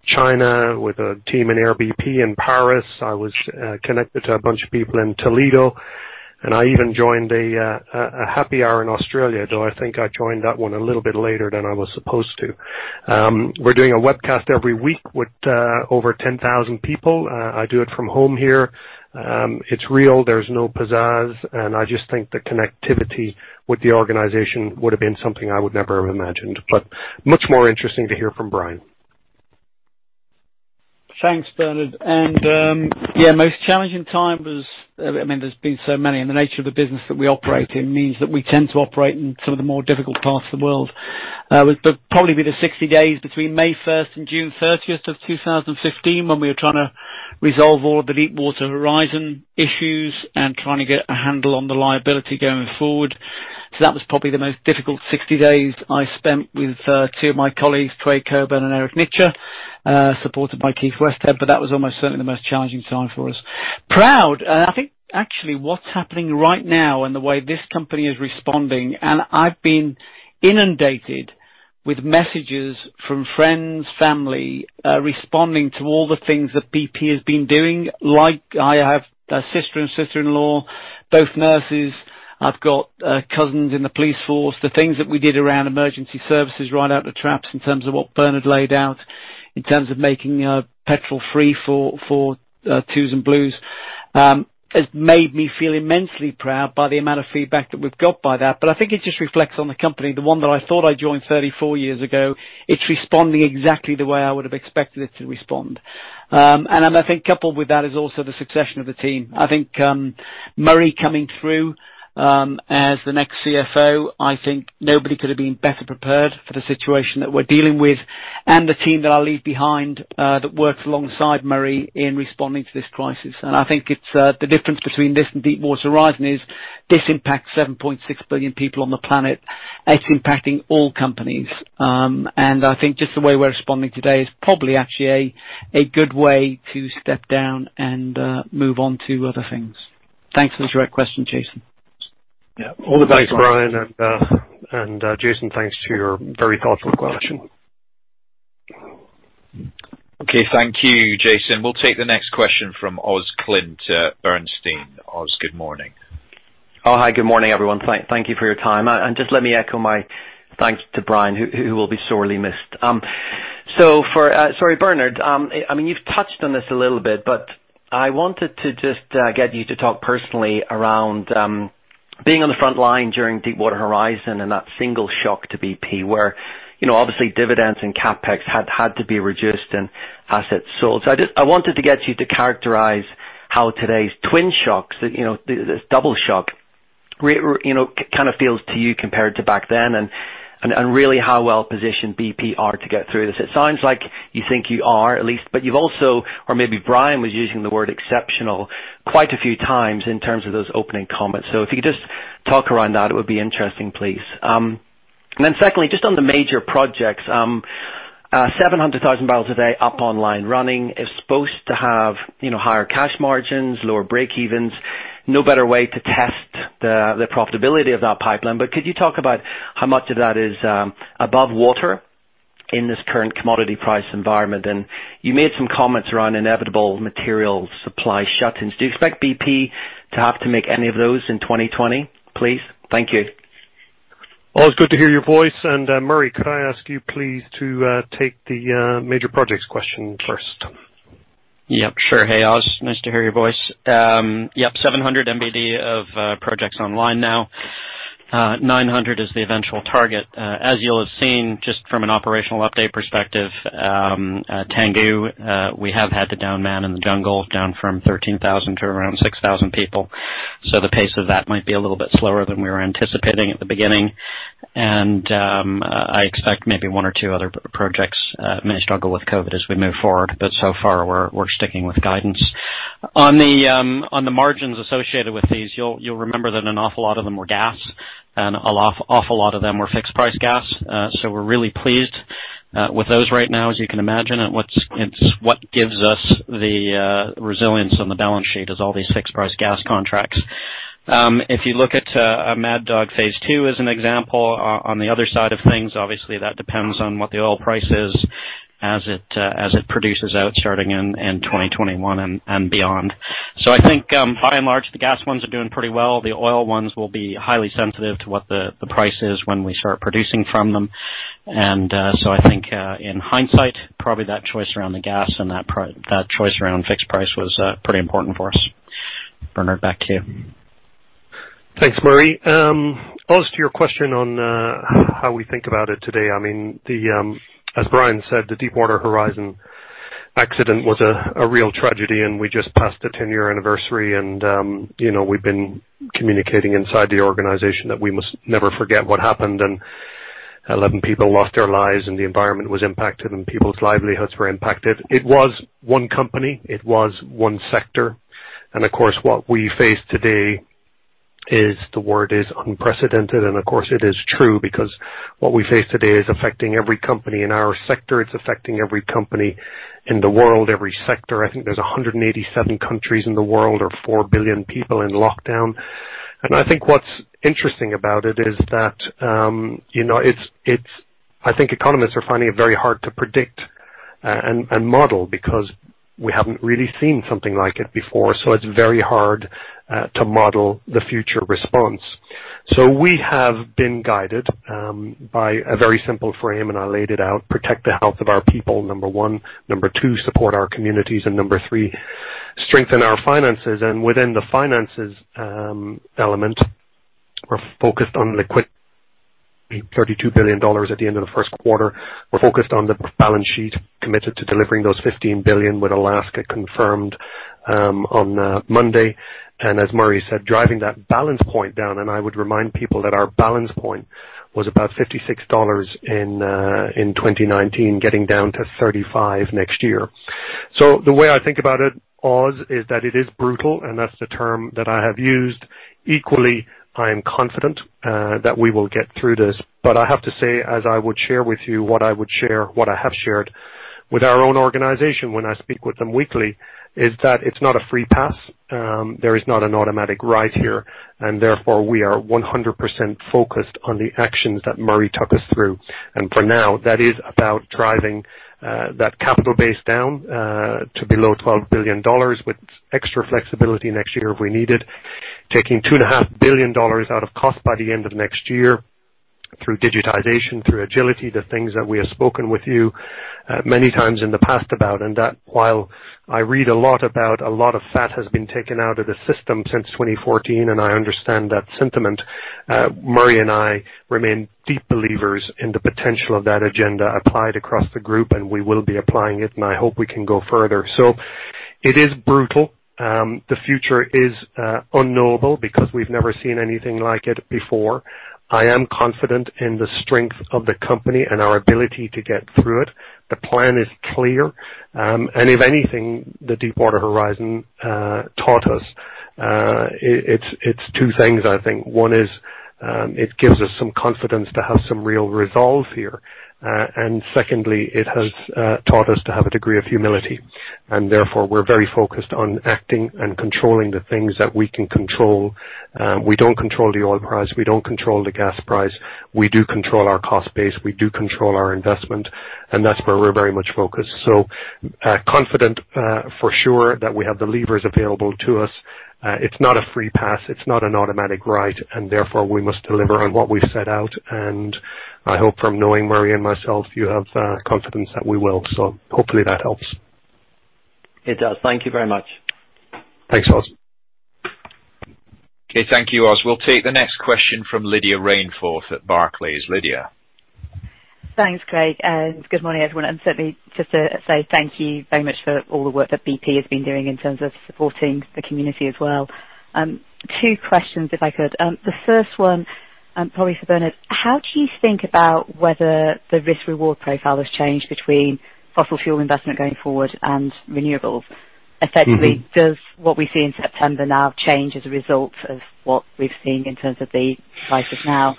China, with a team in Air BP in Paris. I was connected to a bunch of people in Toledo, I even joined a happy hour in Australia, though I think I joined that one a little bit later than I was supposed to. We're doing a webcast every week with over 10,000 people. I do it from home here. It's real. There's no pizzazz, I just think the connectivity with the organization would have been something I would never have imagined. Much more interesting to hear from Brian. Thanks, Bernard. Yeah, most challenging time was, there's been so many, the nature of the business that we operate in means that we tend to operate in some of the more difficult parts of the world. Probably be the 60 days between May 1st and June 30th of 2015 when we were trying to resolve all of the Deepwater Horizon issues and trying to get a handle on the liability going forward. That was probably the most difficult 60 days I spent with two of my colleagues, Craig Coburn and Eric Nitcher, supported by Keith Westhead, that was almost certainly the most challenging time for us. Proud. I think actually what's happening right now and the way this company is responding, I've been inundated with messages from friends, family, responding to all the things that BP has been doing. Like I have a sister and sister-in-law, both nurses. I've got cousins in the police force. The things that we did around emergency services right out the traps in terms of what Bernard laid out, in terms of making petrol free for blues and twos, has made me feel immensely proud by the amount of feedback that we've got by that. I think it just reflects on the company, the one that I thought I joined 34 years ago. It's responding exactly the way I would have expected it to respond. I think coupled with that is also the succession of the team. I think Murray coming through, as the next CFO, I think nobody could have been better prepared for the situation that we're dealing with and the team that I leave behind that works alongside Murray in responding to this crisis. I think the difference between this and Deepwater Horizon is this impacts 7.6 billion people on the planet. It's impacting all companies. I think just the way we're responding today is probably actually a good way to step down and move on to other things. Thanks for the direct question, Jason. Yeah. All the best. Thanks, Brian, and Jason, thanks for your very thoughtful question. Okay. Thank you, Jason. We'll take the next question from Oz Clint at Bernstein. Oz, good morning. Oh, hi. Good morning, everyone. Thank you for your time. Just let me echo my thanks to Brian, who will be sorely missed. Sorry, Bernard, you've touched on this a little bit, but I wanted to just get you to talk personally around being on the front line during Deepwater Horizon and that single shock to BP where obviously dividends and CapEx had to be reduced and assets sold. I wanted to get you to characterize how today's twin shocks, this double shock, kind of feels to you compared to back then. Really how well-positioned BP are to get through this. It sounds like you think you are, at least, but you've also, or maybe Brian was using the word exceptional quite a few times in terms of those opening comments. If you could just talk around that, it would be interesting, please. Secondly, just on the major projects. 700,000 bbl a day up online, running. It's supposed to have higher cash margins, lower break-evens. No better way to test the profitability of that pipeline. Could you talk about how much of that is above water in this current commodity price environment? You made some comments around inevitable material supply shut-ins. Do you expect BP to have to make any of those in 2020, please? Thank you. Oz, good to hear your voice. Murray, could I ask you please to take the major projects question first? Yep, sure. Hey, Oz, nice to hear your voice. Yep, 700 MBD of projects online now. 900 MBD is the eventual target. As you will have seen, just from an operational update perspective, Tangguh, we have had to down man in the jungle, down from 13,000 to around 6,000 people. The pace of that might be a little bit slower than we were anticipating at the beginning. I expect maybe one or two other projects may struggle with COVID as we move forward. So far, we are sticking with guidance. On the margins associated with these, you will remember that an awful lot of them were gas, and an awful lot of them were fixed-price gas. We are really pleased with those right now, as you can imagine. What gives us the resilience on the balance sheet is all these fixed price gas contracts. If you look at Mad Dog Phase 2 as an example, on the other side of things, obviously that depends on what the oil price is as it produces out starting in 2021 and beyond. I think, by and large, the gas ones are doing pretty well. The oil ones will be highly sensitive to what the price is when we start producing from them. I think, in hindsight, probably that choice around the gas and that choice around fixed price was pretty important for us. Bernard, back to you. Thanks, Murray. Oz, to your question on how we think about it today, as Brian said, the Deepwater Horizon accident was a real tragedy. We just passed the 10-year anniversary. We've been communicating inside the organization that we must never forget what happened. 11 people lost their lives. The environment was impacted. People's livelihoods were impacted. It was one company. It was one sector. Of course, what we face today is, the word is unprecedented. Of course, it is true, because what we face today is affecting every company in our sector. It's affecting every company in the world, every sector. I think there's 187 countries in the world or 4 billion people in lockdown. I think what's interesting about it is that I think economists are finding it very hard to predict and model because we haven't really seen something like it before. It's very hard to model the future response. We have been guided by a very simple frame, and I laid it out. Protect the health of our people, number one. Number two, support our communities. Number three, strengthen our finances. Within the finances element, we're focused on liquid $32 billion at the end of the first quarter. We're focused on the balance sheet, committed to delivering those $15 billion with Alaska confirmed on Monday. As Murray said, driving that balance point down, and I would remind people that our balance point was about $56 in 2019, getting down to $35 next year. The way I think about it, Oz, is that it is brutal, and that's the term that I have used. Equally, I am confident that we will get through this. I have to say, as I would share with you what I have shared with our own organization when I speak with them weekly, is that it's not a free pass. There is not an automatic ride here, and therefore we are 100% focused on the actions that Murray took us through. For now, that is about driving that capital base down to below $12 billion with extra flexibility next year if we need it, taking $2.5 billion out of cost by the end of next year through digitization, through Agile, the things that we have spoken with you many times in the past about. That while I read a lot about a lot of fat has been taken out of the system since 2014, and I understand that sentiment, Murray and I remain deep believers in the potential of that agenda applied across the group, and we will be applying it, and I hope we can go further. It is brutal. The future is unknowable because we've never seen anything like it before. I am confident in the strength of the company and our ability to get through it. The plan is clear. If anything, the Deepwater Horizon taught us, it's two things, I think. One is, it gives us some confidence to have some real resolve here. Secondly, it has taught us to have a degree of humility. Therefore, we're very focused on acting and controlling the things that we can control. We don't control the oil price. We don't control the gas price. We do control our cost base. We do control our investment. That's where we're very much focused. Confident for sure that we have the levers available to us. It's not a free pass. It's not an automatic ride. Therefore, we must deliver on what we've set out. I hope from knowing Murray and myself, you have confidence that we will. Hopefully that helps. It does. Thank you very much. Thanks, Oz. Okay, thank you, Oz. We'll take the next question from Lydia Rainforth at Barclays. Lydia Thanks, Craig, and good morning, everyone, and certainly just to say thank you very much for all the work that BP has been doing in terms of supporting the community as well. Two questions if I could. The first one, probably for Bernard, how do you think about whether the risk-reward profile has changed between fossil fuel investment going forward and renewables? Effectively, does what we see in September now change as a result of what we've seen in terms of the prices now?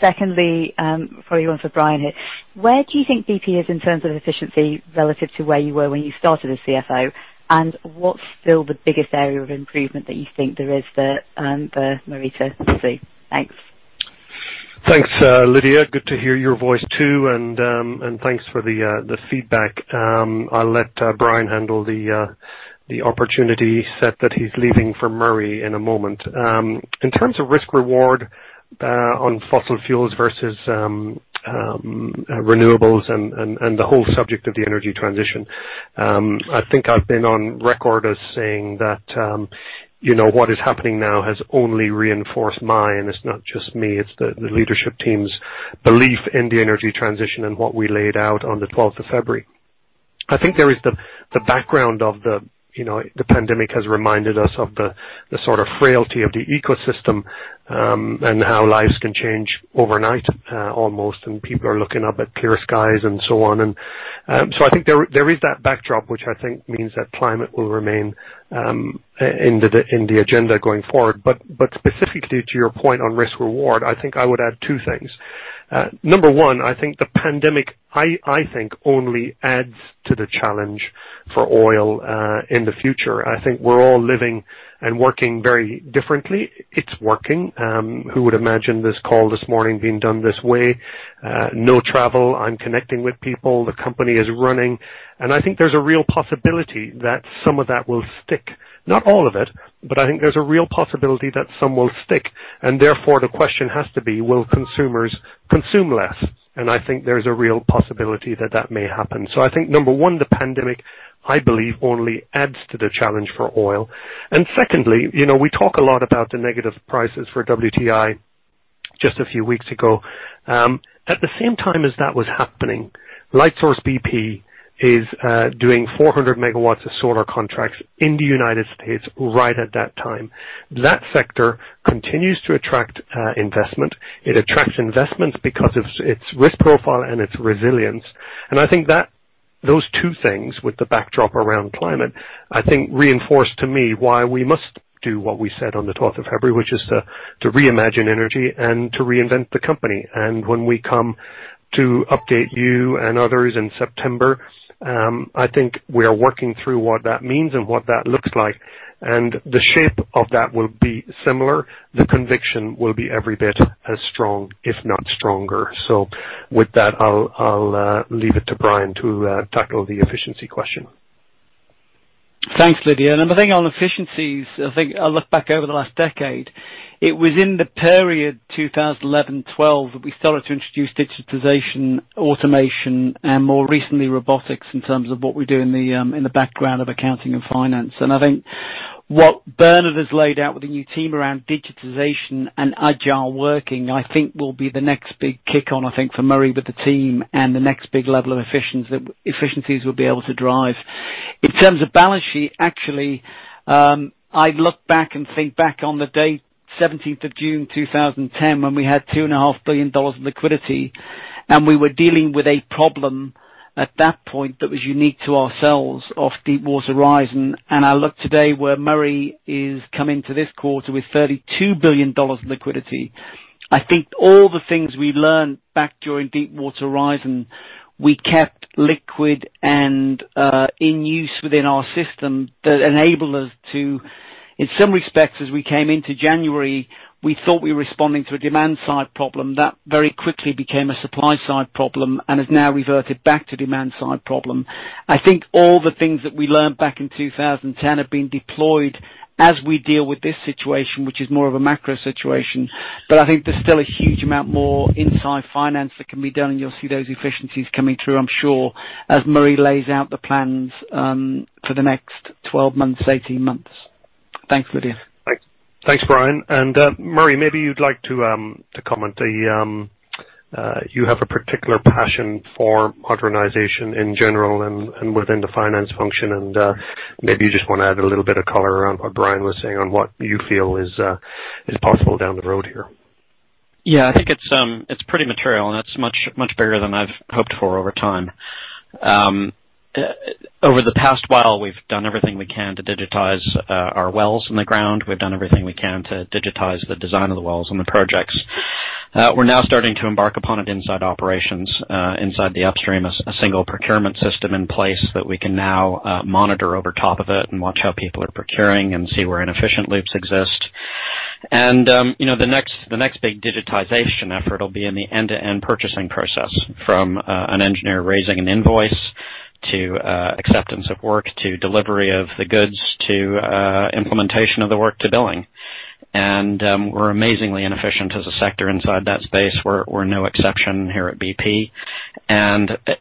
Secondly, probably one for Brian here. Where do you think BP is in terms of efficiency relative to where you were when you started as CFO, and what's still the biggest area of improvement that you think there is for Murray to see? Thanks. Thanks, Lydia. Good to hear your voice too, and thanks for the feedback. I'll let Brian handle the opportunity set that he's leaving for Murray in a moment. In terms of risk reward on fossil fuels versus renewables and the whole subject of the energy transition, I think I've been on record as saying that what is happening now has only reinforced my, and it's not just me, it's the leadership team's belief in the energy transition and what we laid out on the 12th of February. I think there is the background of the pandemic has reminded us of the sort of frailty of the ecosystem, and how lives can change overnight almost, and people are looking up at clear skies and so on. I think there is that backdrop, which I think means that climate will remain in the agenda going forward. Specifically to your point on risk-reward, I think I would add two things. Number one, I think the pandemic only adds to the challenge for oil in the future. I think we're all living and working very differently. It's working. Who would imagine this call this morning being done this way? No travel. I'm connecting with people. The company is running, I think there's a real possibility that some of that will stick. Not all of it, I think there's a real possibility that some will stick, therefore the question has to be, will consumers consume less? I think there's a real possibility that that may happen. I think number one, the pandemic, I believe only adds to the challenge for oil. Secondly, we talk a lot about the negative prices for WTI just a few weeks ago. At the same time as that was happening, Lightsource bp is doing 400 MW of solar contracts in the U.S. right at that time. That sector continues to attract investment. It attracts investment because of its risk profile and its resilience. I think those two things with the backdrop around climate, I think reinforce to me why we must do what we said on the 12th of February, which is to reimagine energy and to reinvent the company. When we come to update you and others in September, I think we are working through what that means and what that looks like. The shape of that will be similar. The conviction will be every bit as strong, if not stronger. With that, I'll leave it to Brian to tackle the efficiency question. Thanks, Lydia. I think on efficiencies, I think I look back over the last decade, it was in the period 2011-2012 that we started to introduce digitization, automation and more recently, robotics in terms of what we do in the background of accounting and finance. I think what Bernard has laid out with the new team around digitization and Agile working, I think will be the next big kick on, I think for Murray with the team and the next big level of efficiencies we'll be able to drive. In terms of balance sheet, actually, I look back and think back on the date 17th of June 2010, when we had $2.5 billion of liquidity, and we were dealing with a problem at that point that was unique to ourselves of Deepwater Horizon. I look today where Murray is coming to this quarter with $32 billion of liquidity. I think all the things we learned back during Deepwater Horizon, we kept liquid and in use within our system that enable us to, in some respects, as we came into January, we thought we were responding to a demand-side problem that very quickly became a supply-side problem and has now reverted back to demand-side problem. I think all the things that we learned back in 2010 have been deployed as we deal with this situation, which is more of a macro situation. I think there's still a huge amount more inside finance that can be done, and you'll see those efficiencies coming through, I'm sure, as Murray lays out the plans for the next 12 months, 18 months. Thanks, Lydia. Thanks, Brian. Murray, maybe you'd like to comment. You have a particular passion for modernization in general and within the finance function. Maybe you just want to add a little bit of color around what Brian was saying on what you feel is possible down the road here. Yeah, I think it's pretty material, and it's much bigger than I've hoped for over time. Over the past while, we've done everything we can to digitize our wells in the ground. We've done everything we can to digitize the design of the wells and the projects. We're now starting to embark upon it inside operations, inside the upstream, a single procurement system in place that we can now monitor over top of it and watch how people are procuring and see where inefficient loops exist. The next big digitization effort will be in the end-to-end purchasing process from an engineer raising an invoice to acceptance of work, to delivery of the goods, to implementation of the work, to billing. We're amazingly inefficient as a sector inside that space. We're no exception here at BP.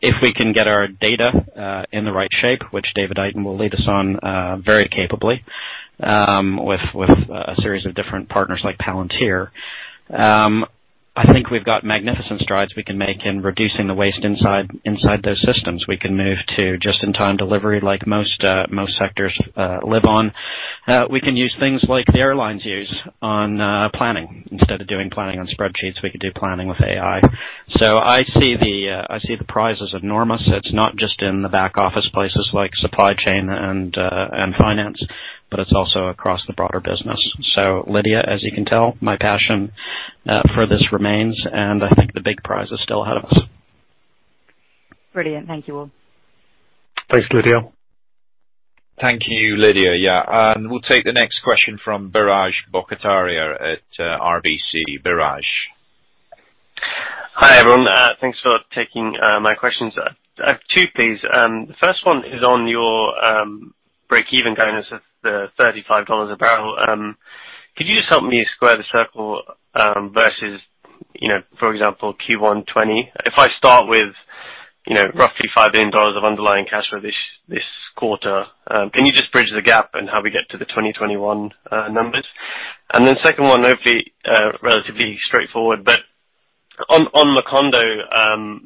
If we can get our data in the right shape, which David Eyton will lead us on very capably. With a series of different partners like Palantir. I think we've got magnificent strides we can make in reducing the waste inside those systems. We can move to just-in-time delivery like most sectors live on. We can use things like the airlines use on planning. Instead of doing planning on spreadsheets, we can do planning with AI. I see the prize is enormous. It's not just in the back-office places like supply chain and finance, but it's also across the broader business. Lydia, as you can tell, my passion for this remains, and I think the big prize is still ahead of us. Brilliant. Thank you all. Thanks, Lydia. Thank you, Lydia. Yeah. We'll take the next question from Biraj Borkhataria at RBC. Biraj. Hi, everyone. Thanks for taking my questions. I have two, please. The first one is on your break-even guidance of the $35 a barrel. Could you just help me square the circle, versus, for example, Q1 2020? If I start with roughly $5 billion of underlying cash flow this quarter, can you just bridge the gap on how we get to the 2021 numbers? The second one, hopefully, relatively straightforward, on Macondo,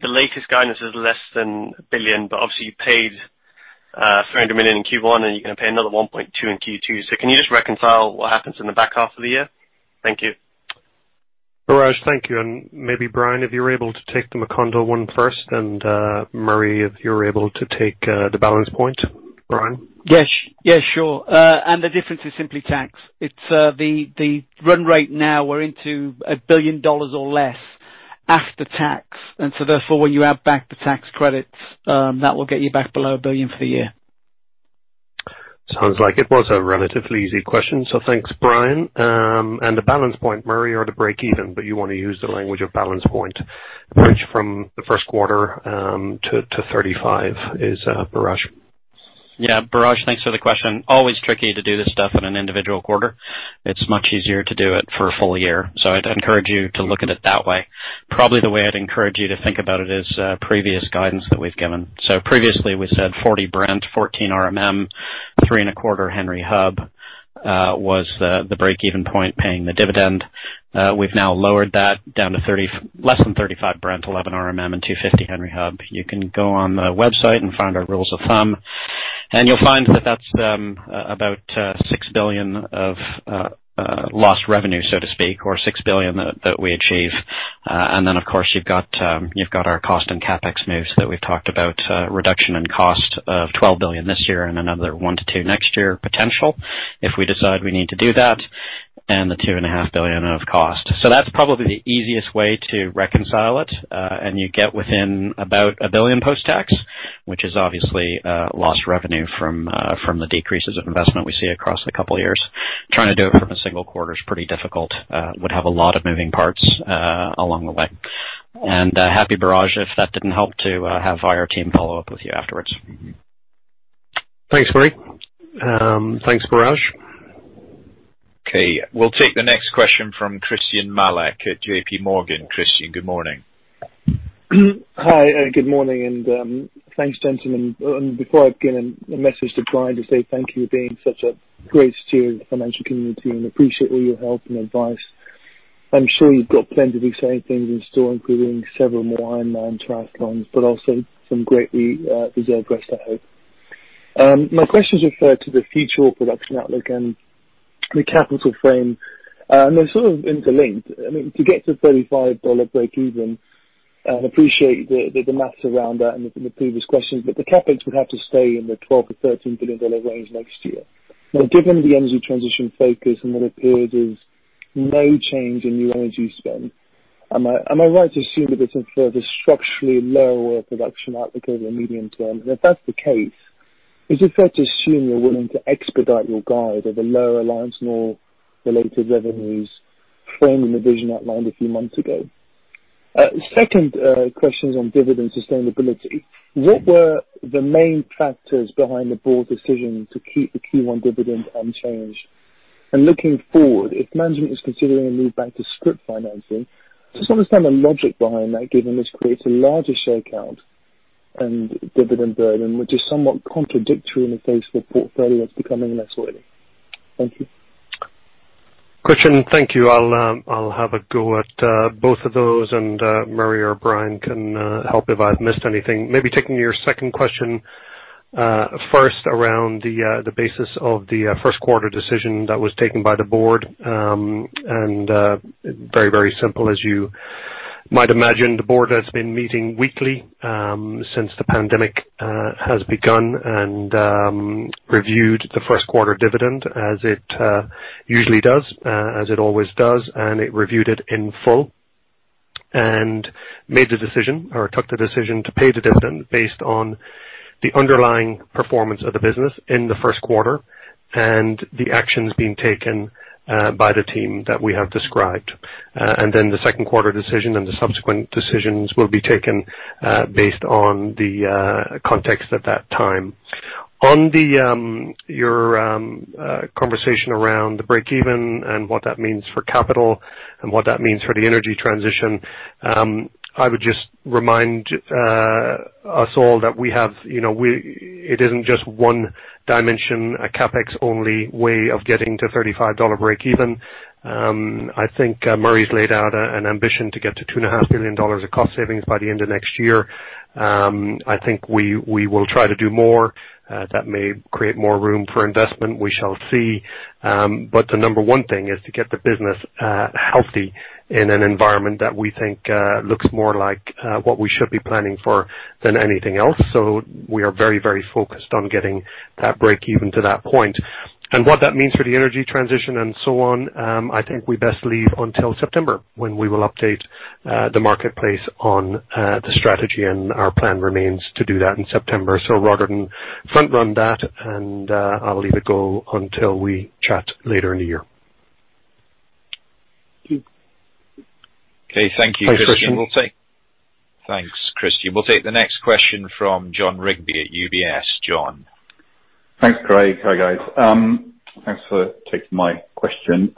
the latest guidance is less than $1 billion, obviously you paid $300 million in Q1, you're going to pay another $1.2 billion in Q2. Can you just reconcile what happens in the back half of the year? Thank you. Biraj, thank you. Maybe Brian, if you're able to take the Macondo one first, and Murray, if you're able to take the balance point. Brian? Yes. Sure. The difference is simply tax. It's the run rate now, we're into $1 billion or less after tax. Therefore, when you add back the tax credits, that will get you back below $1 billion for the year. Sounds like it was a relatively easy question, so thanks, Brian. The balance point, Murray, or the break-even, but you want to use the language of balance point, bridge from the first quarter to $35 is, Biraj. Biraj, thanks for the question. Always tricky to do this stuff in an individual quarter. It's much easier to do it for a full year. I'd encourage you to look at it that way. Probably the way I'd encourage you to think about it is previous guidance that we've given. Previously we said $40 Brent, $14 RMM, $3.25 Henry Hub was the break-even point paying the dividend. We've now lowered that down to less than $35 Brent, $11 RMM, and $2.50 Henry Hub. You can go on the website and find our rules of thumb, and you'll find that that's about $6 billion of lost revenue, so to speak, or $6 billion that we achieve. Of course, you've got our cost and CapEx moves that we've talked about, reduction in cost of $12 billion this year and another $1 billion-$2 billion next year potential if we decide we need to do that, and the $2.5 billion of cost. That's probably the easiest way to reconcile it. You get within about $1 billion post-tax, which is obviously a lost revenue from the decreases of investment we see across a couple of years. Trying to do it from a single quarter is pretty difficult. Would have a lot of moving parts along the way. Happy, Biraj, if that didn't help to have our team follow up with you afterwards. Thanks, Murray. Thanks, Biraj. Okay. We'll take the next question from Christyan Malek at JPMorgan. Christyan, good morning. Hi. Good morning, and thanks, gentlemen. Before I begin, a message to Brian to say thank you for being such a great steward of the financial community, and appreciate all your help and advice. I'm sure you've got plenty of exciting things in store, including several more Ironman Triathlons, but also some greatly deserved rest, I hope. My questions refer to the future production outlook and the capital frame, and they're sort of interlinked. To get to $35 break-even, and appreciate the math around that in the previous questions, the CapEx would have to stay in the $12 billion-$13 billion range next year. Given the energy transition focus and what appears is no change in new energy spend, am I right to assume that it's a further structurally lower production outlook over the medium term? If that's the case, is it fair to assume you're willing to expedite your guide of a lower reliance on oil-related revenues framing the vision outlined a few months ago? Second question is on dividend sustainability. What were the main factors behind the board's decision to keep the Q1 dividend unchanged? Looking forward, if management is considering a move back to scrip financing, just understand the logic behind that, given this creates a larger share count and dividend burden, which is somewhat contradictory in the face of a portfolio that's becoming less oily. Thank you. Christyan, thank you. I'll have a go at both of those, and Murray or Brian can help if I've missed anything. Maybe taking your second question first around the basis of the first quarter decision that was taken by the board, and very simple, as you might imagine, the board has been meeting weekly since the pandemic has begun and reviewed the first quarter dividend as it usually does, as it always does, and it reviewed it in full and made the decision or took the decision to pay the dividend based on the underlying performance of the business in the first quarter and the actions being taken by the team that we have described. The second quarter decision and the subsequent decisions will be taken based on the context at that time. On your conversation around the break-even and what that means for capital and what that means for the energy transition, I would just remind us all that it isn't just one dimension, a CapEx-only way of getting to $35 break-even. I think Murray's laid out an ambition to get to $2.5 billion of cost savings by the end of next year. I think we will try to do more. That may create more room for investment, we shall see. The number one thing is to get the business healthy in an environment that we think looks more like what we should be planning for than anything else. We are very focused on getting that break-even to that point. What that means for the energy transition and so on, I think we best leave until September when we will update the marketplace on the strategy, and our plan remains to do that in September. Rather than front-run that, and I'll leave it go until we chat later in the year. Okay. Thank you, Christyan. Thanks, Christyan. Thanks, Christyan. We'll take the next question from Jon Rigby at UBS. Jon. Thanks, Craig. Hi, guys. Thanks for taking my question.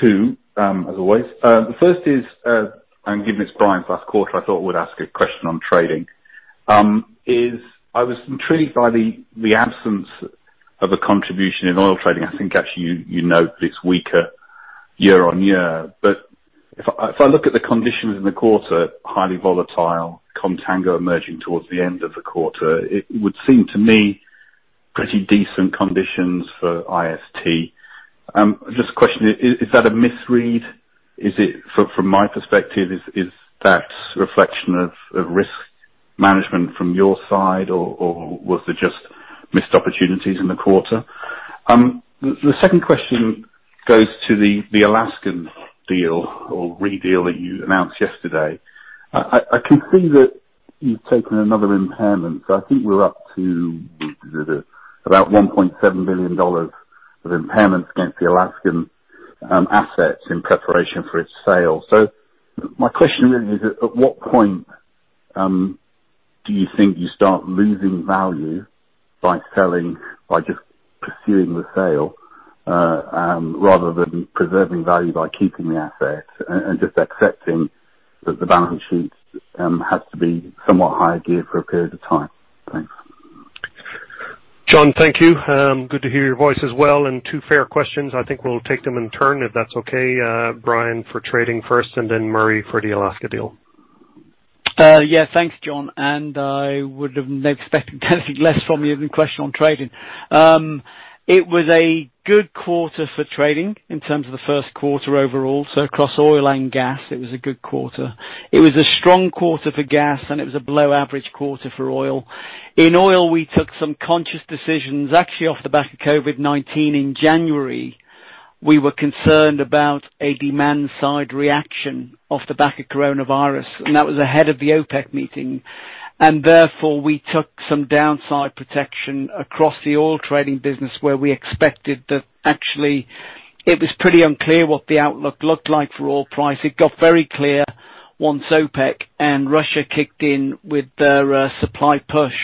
Two, as always. The first is, given it's Brian's last quarter, I thought I would ask a question on trading. I was intrigued by the absence of a contribution in oil trading. I think actually, you note it's weaker year-on-year. If I look at the conditions in the quarter, highly volatile, contango emerging towards the end of the quarter, it would seem to me pretty decent conditions for IST. Just a question, is that a misread? From my perspective, is that reflection of risk management from your side, or was it just missed opportunities in the quarter? The second question goes to the Alaskan deal or re-deal that you announced yesterday. I can see that you've taken another impairment. I think we're up to about $1.7 billion of impairments against the Alaskan assets in preparation for its sale. My question really is, at what point do you think you start losing value by just pursuing the sale, rather than preserving value by keeping the asset and just accepting that the balance sheets has to be somewhat higher-geared for a period of time? Thanks. Jon, thank you. Good to hear your voice as well. Two fair questions. I think we'll take them in turn, if that's okay. Brian, for trading first. Then Murray for the Alaska deal. Yeah. Thanks, Jon, I would have never expected anything less from you than a question on trading. It was a good quarter for trading in terms of the first quarter overall. Across oil and gas, it was a good quarter. It was a strong quarter for gas, and it was a below-average quarter for oil. In oil, we took some conscious decisions. Actually off the back of COVID-19 in January, we were concerned about a demand-side reaction off the back of coronavirus, and that was ahead of the OPEC meeting. Therefore, we took some downside protection across the oil trading business, where we expected that actually it was pretty unclear what the outlook looked like for oil price. It got very clear once OPEC and Russia kicked in with their supply push,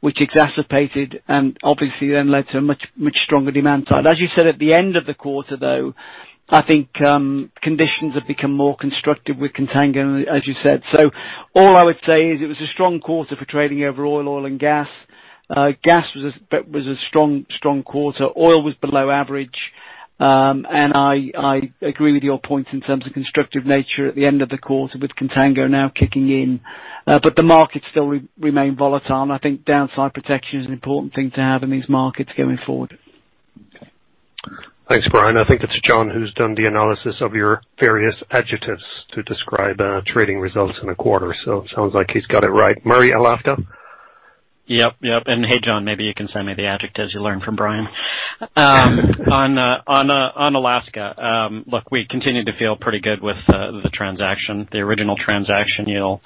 which exacerbated and obviously then led to a much stronger demand side. As you said, at the end of the quarter, though, I think conditions have become more constructive with contango, as you said. All I would say is it was a strong quarter for trading overall, oil and gas. Gas was a strong quarter. Oil was below average. I agree with your point in terms of constructive nature at the end of the quarter with contango now kicking in. The markets still remain volatile, and I think downside protection is an important thing to have in these markets going forward. Thanks, Brian. I think it's Jon who's done the analysis of your various adjectives to describe trading results in a quarter. Sounds like he's got it right. Murray, Alaska? Yep. Hey, Jon, maybe you can send me the adjectives you learned from Brian. On Alaska, look, we continue to feel pretty good with the transaction. The original transaction, you'll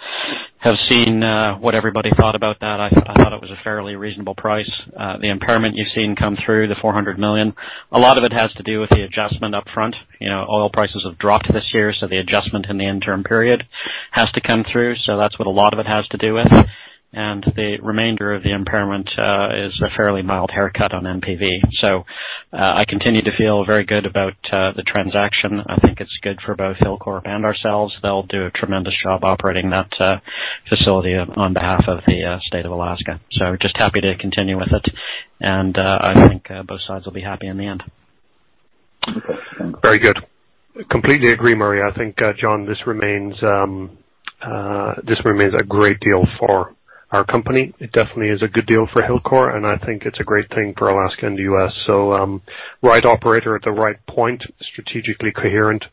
have seen what everybody thought about that. I thought it was a fairly reasonable price. The impairment you've seen come through, the $400 million, a lot of it has to do with the adjustment up front. Oil prices have dropped this year, the adjustment in the interim period has to come through. That's what a lot of it has to do with. The remainder of the impairment is a fairly mild haircut on NPV. I continue to feel very good about the transaction. I think it's good for both Hilcorp and ourselves. They'll do a tremendous job operating that facility on behalf of the State of Alaska. Just happy to continue with it. I think both sides will be happy in the end. Okay. Thanks. Very good. Completely agree, Murray. I think, Jon, this remains a great deal for our company. It definitely is a good deal for Hilcorp, and I think it's a great thing for Alaska and the U.S. Right operator at the right point, strategically coherent,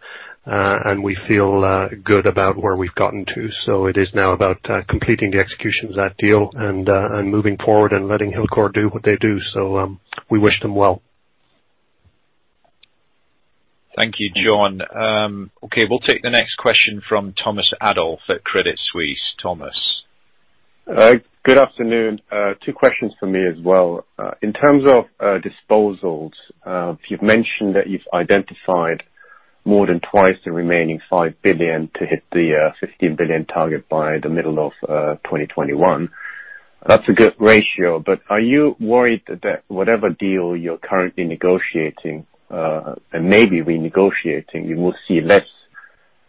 and we feel good about where we've gotten to. It is now about completing the execution of that deal and moving forward and letting Hilcorp do what they do. We wish them well. Thank you, Jon. Okay. We'll take the next question from Thomas Adolff at Credit Suisse. Thomas. Good afternoon. Two questions from me as well. In terms of disposals, you've mentioned that you've identified more than twice the remaining $5 billion to hit the $15 billion target by the middle of 2021. That's a good ratio. Are you worried that whatever deal you're currently negotiating, and maybe renegotiating, you will see less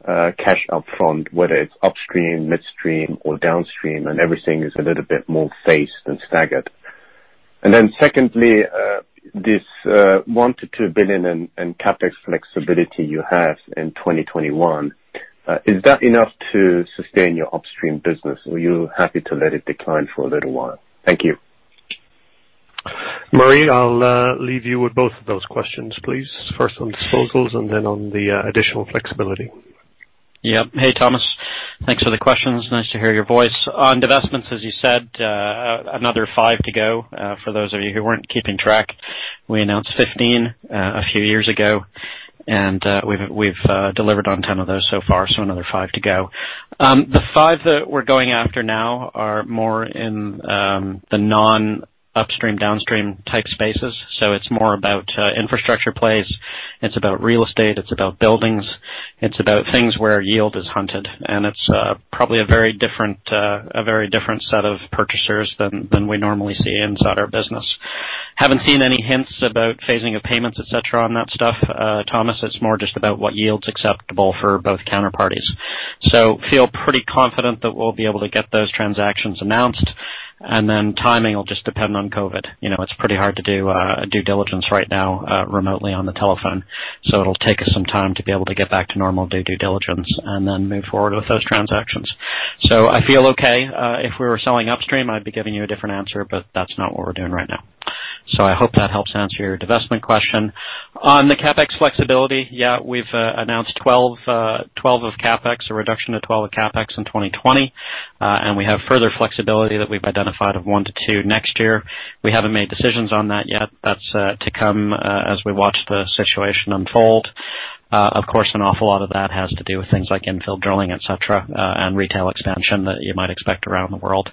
cash up front, whether it's upstream, midstream or downstream, and everything is a little bit more phased than staggered? Secondly, this $1 billion-$2 billion in CapEx flexibility you have in 2021, is that enough to sustain your upstream business, or are you happy to let it decline for a little while? Thank you. Murray, I'll leave you with both of those questions, please. First on disposals and then on the additional flexibility. Yep. Hey, Thomas. Thanks for the questions. Nice to hear your voice. On divestments, as you said, another $5 billion to go. For those of you who weren't keeping track, we announced $15 billion a few years ago, and we've delivered on $10 billion of those so far, so another $5 billion to go. The $5 billion that we're going after now are more in the non-upstream, downstream-type spaces. It's more about infrastructure plays, it's about real estate, it's about buildings, it's about things where yield is hunted. It's probably a very different set of purchasers than we normally see inside our business. Haven't seen any hints about phasing of payments, et cetera, on that stuff, Thomas. It's more just about what yield's acceptable for both counterparties. Feel pretty confident that we'll be able to get those transactions announced, and then timing will just depend on COVID. It's pretty hard to do a due diligence right now remotely on the telephone. It'll take us some time to be able to get back to normal day due diligence and then move forward with those transactions. I feel okay. If we were selling upstream, I'd be giving you a different answer, but that's not what we're doing right now. I hope that helps answer your divestment question. On the CapEx flexibility, yeah, we've announced a reduction of $12 billion of CapEx in 2020. We have further flexibility that we've identified of $1 billion-$2 billion next year. We haven't made decisions on that yet. That's to come as we watch the situation unfold. Of course, an awful lot of that has to do with things like infill drilling, et cetera, and retail expansion that you might expect around the world.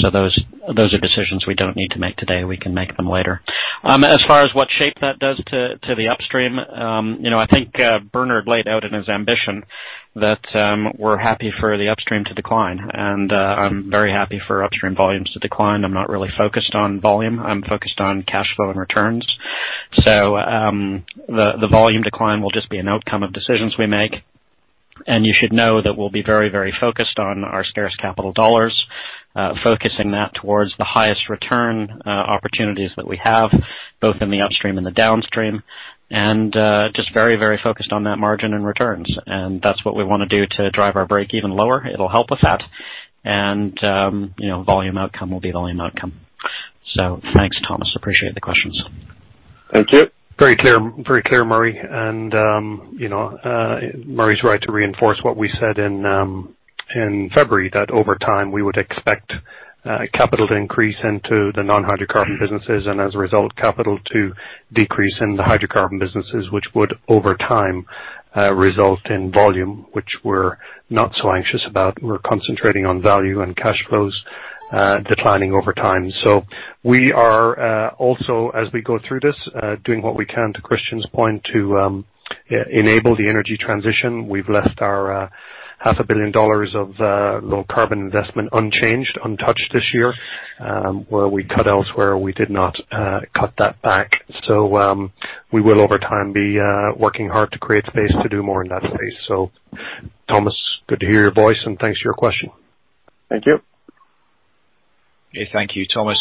Those are decisions we don't need to make today. We can make them later. As far as what shape that does to the upstream, I think Bernard laid out in his ambition that we're happy for the upstream to decline, and I'm very happy for upstream volumes to decline. I'm not really focused on volume. I'm focused on cash flow and returns. The volume decline will just be an outcome of decisions we make. You should know that we'll be very focused on our scarce capital dollars, focusing that towards the highest return opportunities that we have, both in the upstream and the downstream, and just very focused on that margin and returns. That's what we wanna do to drive our break-even lower. It'll help with that. Volume outcome will be the volume outcome. Thanks, Thomas, appreciate the questions. Thank you. Very clear, Murray. Murray's right to reinforce what we said in February, that over time we would expect capital to increase into the non-hydrocarbon businesses, and as a result, capital to decrease in the hydrocarbon businesses, which would, over time, result in volume, which we're not so anxious about. We're concentrating on value and cash flows declining over time. We are also, as we go through this, doing what we can, to Christyan's point, to enable the energy transition. We've left our $500 million dollars of low carbon investment unchanged, untouched this year. Where we cut elsewhere, we did not cut that back. We will, over time, be working hard to create space to do more in that space. Thomas, good to hear your voice, and thanks for your question. Thank you. Okay. Thank you, Thomas.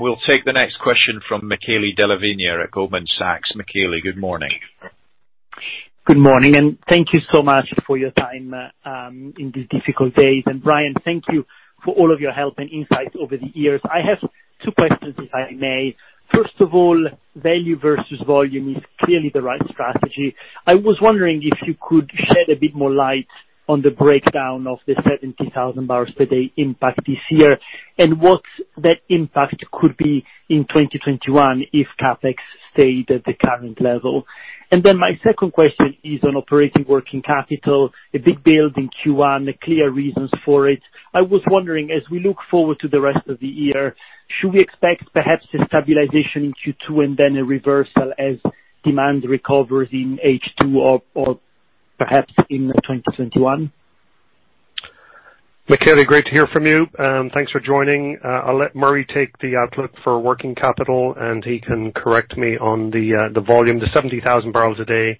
We'll take the next question from Michele Della Vigna at Goldman Sachs. Michele, good morning. Good morning, thank you so much for your time in these difficult days. Brian, thank you for all of your help and insights over the years. I have two questions, if I may. First of all, value versus volume is clearly the right strategy. I was wondering if you could shed a bit more light on the breakdown of the 70,000 bbl per day impact this year, and what that impact could be in 2021 if CapEx stayed at the current level. My second question is on operating working capital, a big build in Q1, clear reasons for it. I was wondering, as we look forward to the rest of the year, should we expect perhaps a stabilization in Q2 and then a reversal as demand recovers in H2 or perhaps in 2021? Michele, great to hear from you. Thanks for joining. I'll let Murray take the outlook for working capital, and he can correct me on the volume. The 70,000 bbl a day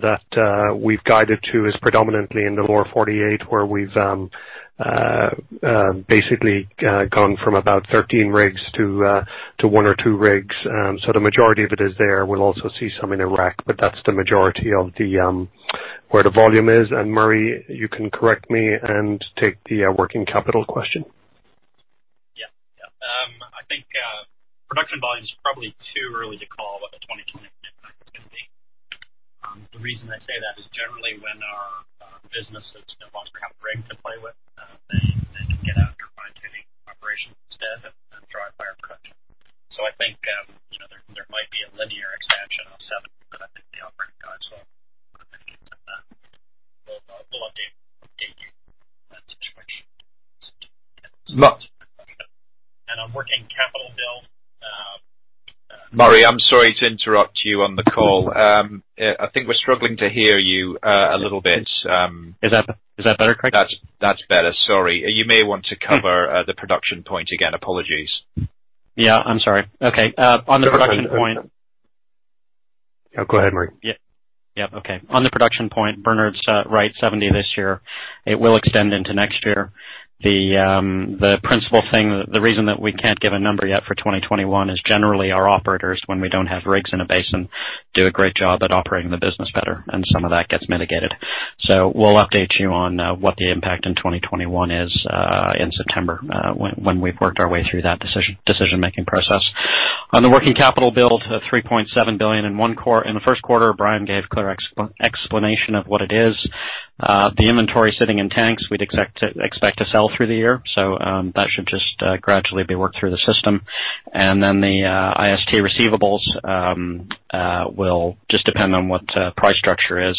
that we've guided to is predominantly in the Lower 48, where we've basically gone from about 13 rigs to one or two rigs. The majority of it is there. We'll also see some in Iraq, but that's the majority of where the volume is. Murray, you can correct me and take the working capital question. Yeah. I think production volume's probably too early to call what the 2020 impact is going to be. The reason I say that is generally when our businesses no longer have rig to play with, they get out here fine-tuning operations instead of trying to fire production. I think there might be a linear expansion off seven, but I think the operating guides will indicate that. We'll update. On working capital build. Murray, I'm sorry to interrupt you on the call. I think we're struggling to hear you a little bit. Is that better, Craig? That's better. Sorry. You may want to cover the production point again. Apologies. Yeah. I'm sorry. Okay. On the production point. No, go ahead, Murray. Yep. Okay. On the production point, Bernard's right, 70,000 bbl this year. It will extend into next year. The principal thing, the reason that we can't give a number yet for 2021, is generally our operators, when we don't have rigs in a basin, do a great job at operating the business better, and some of that gets mitigated. We'll update you on what the impact in 2021 is in September, when we've worked our way through that decision-making process. On the working capital build, $3.7 billion in the first quarter, Brian gave a clear explanation of what it is. The inventory sitting in tanks, we'd expect to sell through the year. That should just gradually be worked through the system. Then the IST receivables will just depend on what the price structure is.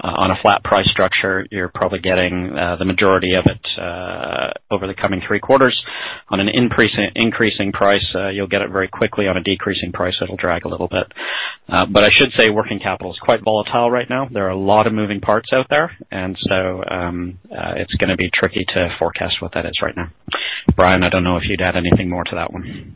On a flat price structure, you're probably getting the majority of it over the coming three quarters. On an increasing price, you'll get it very quickly. On a decreasing price, it'll drag a little bit. I should say, working capital is quite volatile right now. There are a lot of moving parts out there. It's gonna be tricky to forecast what that is right now. Brian, I don't know if you'd add anything more to that one.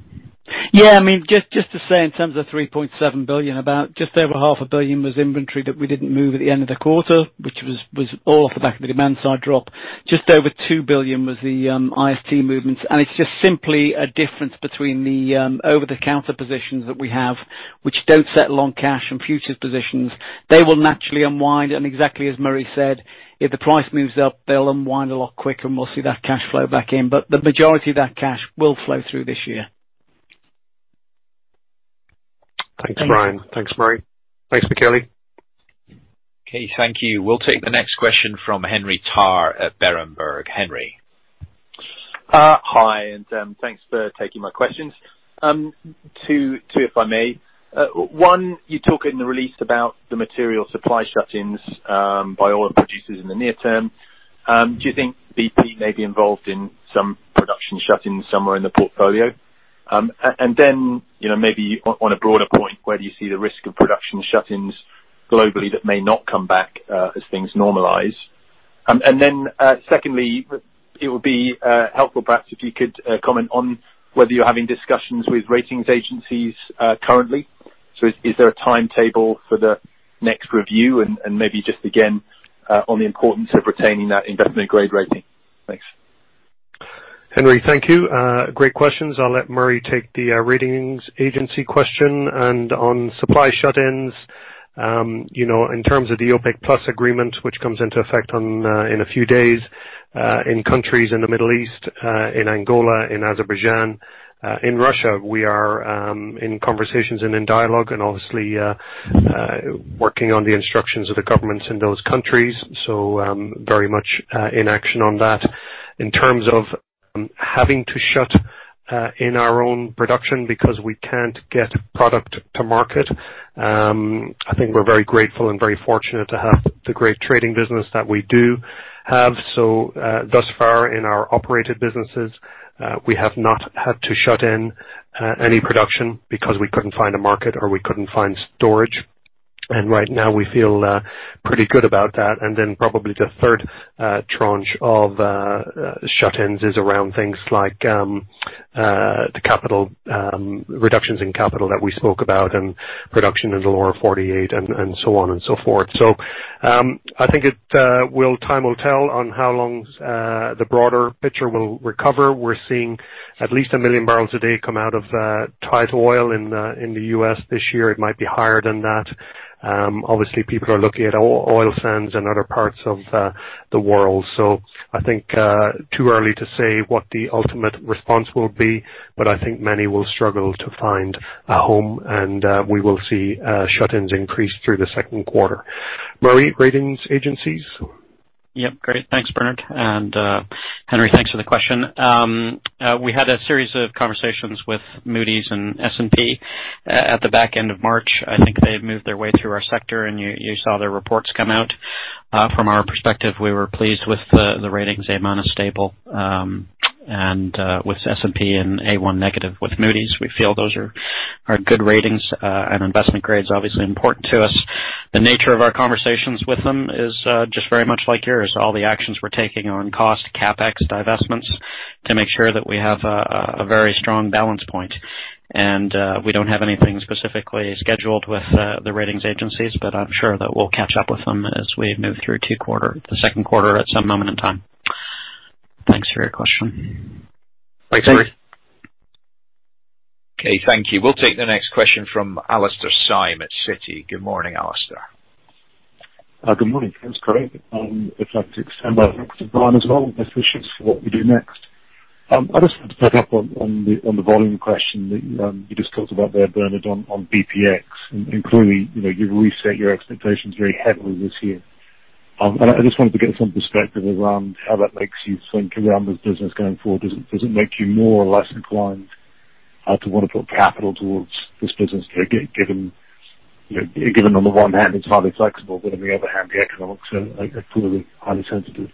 Just to say, in terms of the $3.7 billion, about just over $500 million was inventory that we didn't move at the end of the quarter, which was all off the back of the demand side drop. Just over $2 billion was the IST movements. It's just simply a difference between the over-the-counter positions that we have, which don't settle on cash and futures positions. They will naturally unwind, and exactly as Murray said, if the price moves up, they'll unwind a lot quicker and we'll see that cash flow back in. The majority of that cash will flow through this year. Thanks, Brian. Thanks, Murray. Thanks, Michele. Okay, thank you. We'll take the next question from Henry Tarr at Berenberg. Henry. Hi, thanks for taking my questions. Two, if I may. One, you talk in the release about the material supply shut-ins by oil producers in the near term. Do you think BP may be involved in some production shut-ins somewhere in the portfolio? Maybe on a broader point, where do you see the risk of production shut-ins globally that may not come back as things normalize? Secondly, it would be helpful perhaps if you could comment on whether you're having discussions with ratings agencies currently. Is there a timetable for the next review and maybe just again, on the importance of retaining that investment-grade rating? Thanks. Henry, thank you. Great questions. I'll let Murray take the ratings agency question. On supply shut-ins, in terms of the OPEC+ agreement, which comes into effect in a few days, in countries in the Middle East, in Angola, in Azerbaijan, in Russia, we are in conversations and in dialogue and obviously, working on the instructions of the governments in those countries. Very much in action on that. In terms of having to shut in our own production because we can't get product to market, I think we're very grateful and very fortunate to have the great trading business that we do have. Thus far in our operated businesses, we have not had to shut in any production because we couldn't find a market or we couldn't find storage. Right now we feel pretty good about that. Probably the third tranche of shut-ins is around things like the reductions in capital that we spoke about and production in the Lower 48, and so on and so forth. I think time will tell on how long the broader picture will recover. We're seeing at least 1 MMbpd come out of tight oil in the U.S. this year. It might be higher than that. Obviously, people are looking at oil sands in other parts of the world. I think too early to say what the ultimate response will be, but I think many will struggle to find a home, and we will see shut-ins increase through the second quarter. Murray, ratings agencies? Yep, great. Thanks, Bernard. Henry, thanks for the question. We had a series of conversations with Moody's and S&P at the back end of March. I think they've moved their way through our sector, and you saw their reports come out. From our perspective, we were pleased with the ratings. A- Stable with S&P and A1 Negative with Moody's. We feel those are good ratings, investment grade is obviously important to us. The nature of our conversations with them is just very much like yours. All the actions we're taking on cost, CapEx, divestments, to make sure that we have a very strong balance point. We don't have anything specifically scheduled with the ratings agencies, I'm sure that we'll catch up with them as we move through the second quarter at some moment in time. Thanks for your question. Thanks, Murray. Okay, thank you. We'll take the next question from Alastair Syme at Citi. Good morning, Alastair. Good morning. Thanks, Craig. I'd like to extend my thanks to Brian as well. Best wishes for what we do next. I just wanted to pick up on the volume question that you just talked about there, Bernard, on BPX. Clearly, you've reset your expectations very heavily this year. I just wanted to get some perspective around how that makes you think around this business going forward. Does it make you more or less inclined to want to put capital towards this business, given? Given on the one hand, it's highly flexible, but on the other hand, the economics are clearly highly sensitive.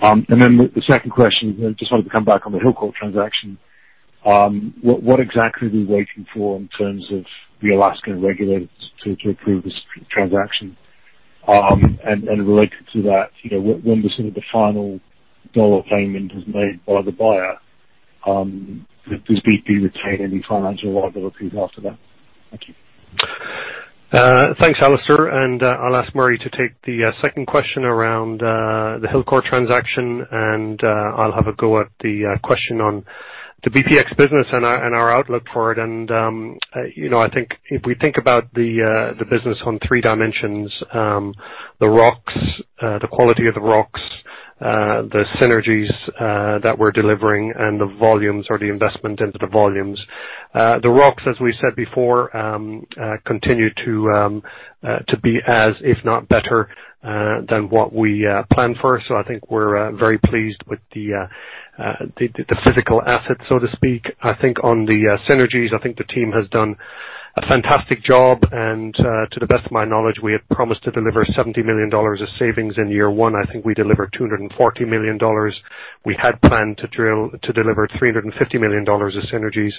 The second question, just wanted to come back on the Hilcorp transaction. What exactly are we waiting for in terms of the Alaskan regulators to approve this transaction? Related to that, when does the final dollar payment is made by the buyer, does BP retain any financial liabilities after that? Thank you. Thanks, Alastair. I'll ask Murray to take the second question around the Hilcorp transaction, and I'll have a go at the question on the BPX business and our outlook for it. I think if we think about the business on three dimensions. The rocks, the quality of the rocks, the synergies that we're delivering, and the volumes or the investment into the volumes. The rocks, as we said before, continue to be as, if not better, than what we planned for. I think we're very pleased with the physical assets, so to speak. I think on the synergies, I think the team has done a fantastic job, and to the best of my knowledge, we had promised to deliver $70 million of savings in year one. I think we delivered $240 million. We had planned to deliver $350 million of synergies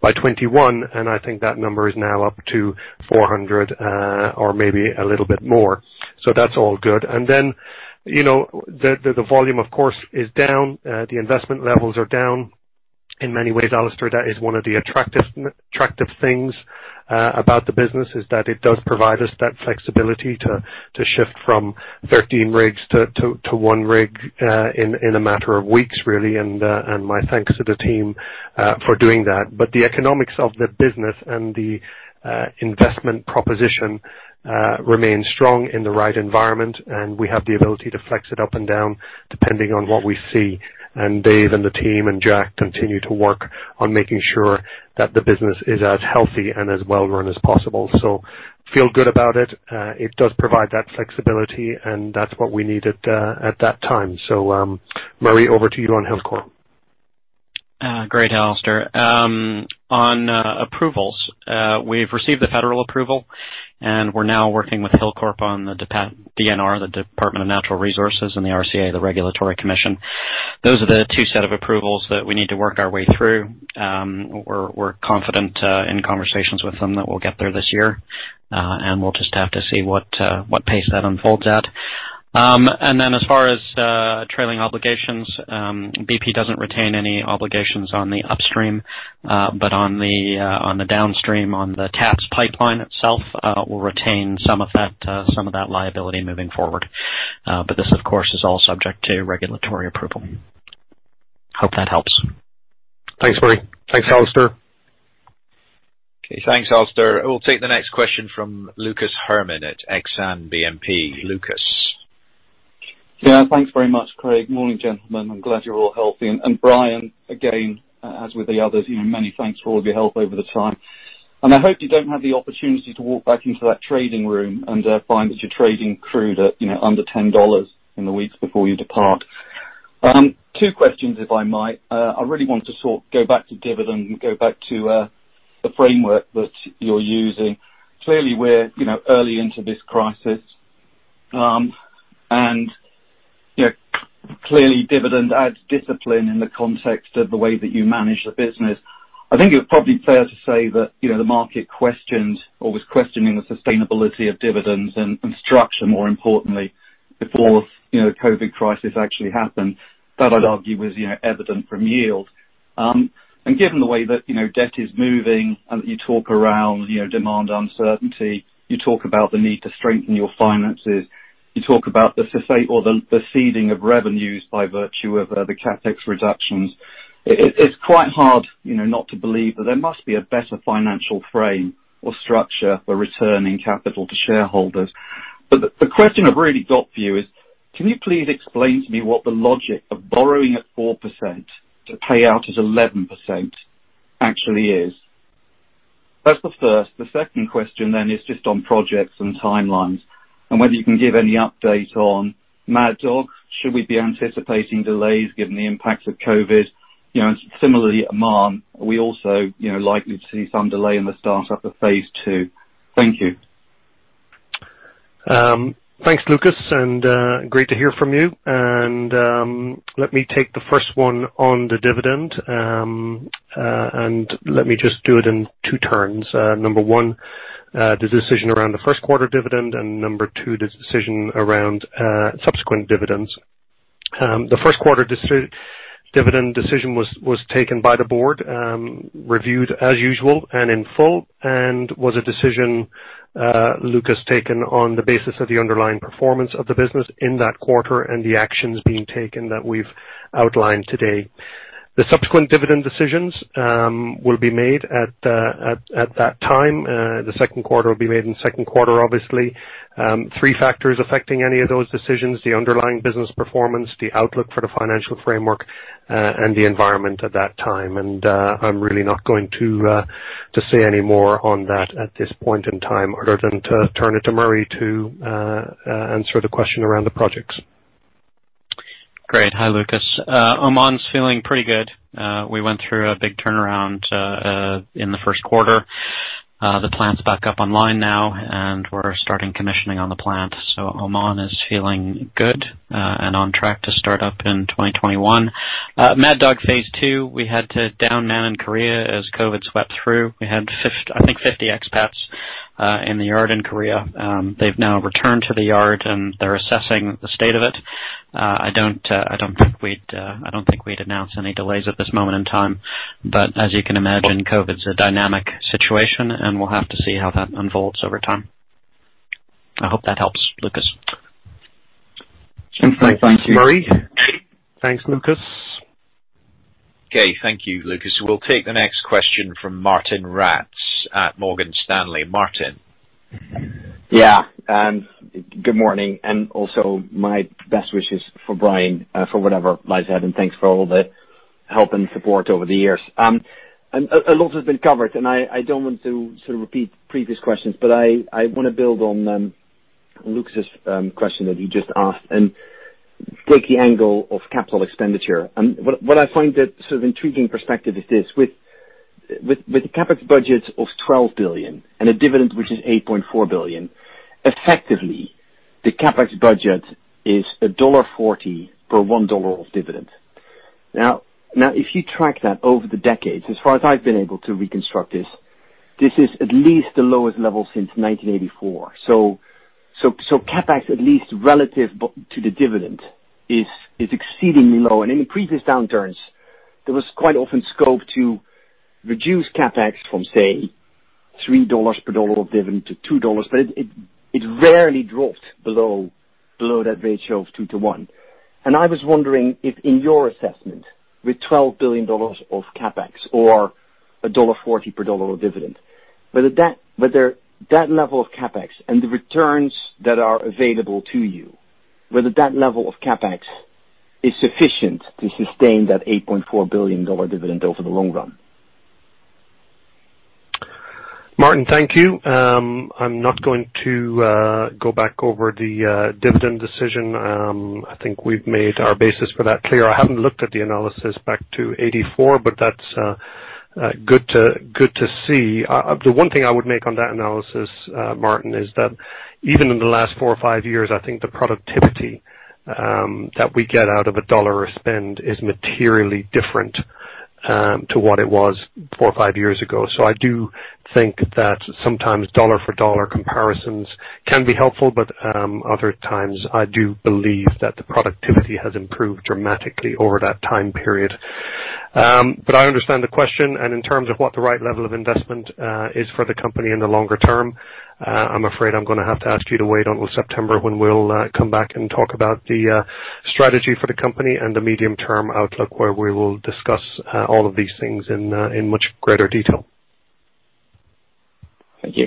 by 2021, and I think that number is now up to $400 million or maybe a little bit more. That's all good. The volume, of course, is down. The investment levels are down. In many ways, Alastair, that is one of the attractive things about the business, is that it does provide us that flexibility to shift from 13 rigs to one rig, in a matter of weeks, really. My thanks to the team for doing that. The economics of the business and the investment proposition remains strong in the right environment, and we have the ability to flex it up and down, depending on what we see. Dave and the team and Jack continue to work on making sure that the business is as healthy and as well run as possible. Feel good about it. It does provide that flexibility, and that's what we needed at that time. Murray, over to you on Hilcorp. Great, Alastair. On approvals, we've received the federal approval, and we're now working with Hilcorp on the DNR, the Department of Natural Resources, and the RCA, the Regulatory Commission. Those are the two set of approvals that we need to work our way through. We're confident in conversations with them that we'll get there this year, and we'll just have to see what pace that unfolds at. As far as trailing obligations, BP doesn't retain any obligations on the upstream. On the downstream, on the TAPS pipeline itself, we'll retain some of that liability moving forward. This, of course, is all subject to regulatory approval. Hope that helps. Thanks, Murray. Thanks, Alastair. Okay, thanks, Alastair. We'll take the next question from Lucas Herrmann at Exane BNP. Lucas. Yeah. Thanks very much, Craig. Morning, gentlemen. I am glad you are all healthy. Brian, again, as with the others, many thanks for all of your help over the time. I hope you do not have the opportunity to walk back into that trading room and find that you are trading crude at under $10 in the weeks before you depart. Two questions, if I might. I really want to sort of go back to dividend and go back to the framework that you are using. Clearly, we are early into this crisis. Clearly dividend adds discipline in the context of the way that you manage the business. I think it is probably fair to say that the market questioned or was questioning the sustainability of dividends and structure, more importantly, before COVID crisis actually happened. That I would argue was evident from yield. Given the way that debt is moving and that you talk around demand uncertainty, you talk about the need to strengthen your finances, you talk about the seeding of revenues by virtue of the CapEx reductions. It is quite hard not to believe that there must be a better financial frame or structure for returning capital to shareholders. The question I have really got for you is, can you please explain to me what the logic of borrowing at 4% to pay out at 11% actually is? That is the first. The second question is just on projects and timelines and whether you can give any update on Mad Dog. Should we be anticipating delays given the impact of COVID? Similarly, Oman, are we also likely to see some delay in the start of the Phase 2? Thank you. Thanks, Lucas. Great to hear from you. Let me take the first one on the dividend, and let me just do it in two turns. Number one, the decision around the first quarter dividend, and number two, the decision around subsequent dividends. The first quarter dividend decision was taken by the board, reviewed as usual and in full, and was a decision, Lucas, taken on the basis of the underlying performance of the business in that quarter and the actions being taken that we've outlined today. The subsequent dividend decisions will be made at that time. The second quarter will be made in the second quarter, obviously. Three factors affecting any of those decisions, the underlying business performance, the outlook for the financial framework, and the environment at that time. I'm really not going to say any more on that at this point in time, other than to turn it to Murray to answer the question around the projects. Great. Hi, Lucas. Oman's feeling pretty good. We went through a big turnaround in the first quarter. The plant's back up online now, and we're starting commissioning on the plant. Oman is feeling good, and on track to start up in 2021. Mad Dog Phase 2, we had to down man in Korea as COVID swept through. We had, I think, 50 expats in the yard in Korea. They've now returned to the yard, and they're assessing the state of it. I don't think we'd announce any delays at this moment in time. As you can imagine, COVID's a dynamic situation, and we'll have to see how that unfolds over time. I hope that helps, Lucas. Thanks, Murray. Thanks, Lucas. Okay. Thank you, Lucas. We'll take the next question from Martijn Rats at Morgan Stanley. Martijn. Yeah. Good morning. Also my best wishes for Brian, for whatever lies ahead. Thanks for all the help and support over the years. A lot has been covered. I don't want to sort of repeat previous questions. I want to build on Lucas' question that you just asked and take the angle of capital expenditure. What I find that sort of intriguing perspective is this, with the CapEx budget of $12 billion and a dividend, which is $8.4 billion, effectively, the CapEx budget is a $1.40 per $1 of dividend. Now, if you track that over the decades, as far as I've been able to reconstruct this is at least the lowest level since 1984. CapEx, at least relative to the dividend, is exceedingly low. In previous downturns, there was quite often scope to reduce CapEx from, say, $3 per dollar of dividend to $2, but it rarely dropped below that ratio of 2:1. I was wondering if in your assessment, with $12 billion of CapEx or $1.40 per dollar of dividend, whether that level of CapEx and the returns that are available to you, whether that level of CapEx is sufficient to sustain that $8.4 billion dividend over the long run. Martijn, thank you. I'm not going to go back over the dividend decision. I think we've made our basis for that clear. I haven't looked at the analysis back to 1984, but that's good to see. The one thing I would make on that analysis, Martijn, is that even in the last four or five years, I think the productivity that we get out of a dollar of spend is materially different to what it was four or five years ago. I do think that sometimes dollar-for-dollar comparisons can be helpful, but other times I do believe that the productivity has improved dramatically over that time period. I understand the question. In terms of what the right level of investment is for the company in the longer term, I'm afraid I'm going to have to ask you to wait until September when we'll come back and talk about the strategy for the company and the medium-term outlook, where we will discuss all of these things in much greater detail. Thank you.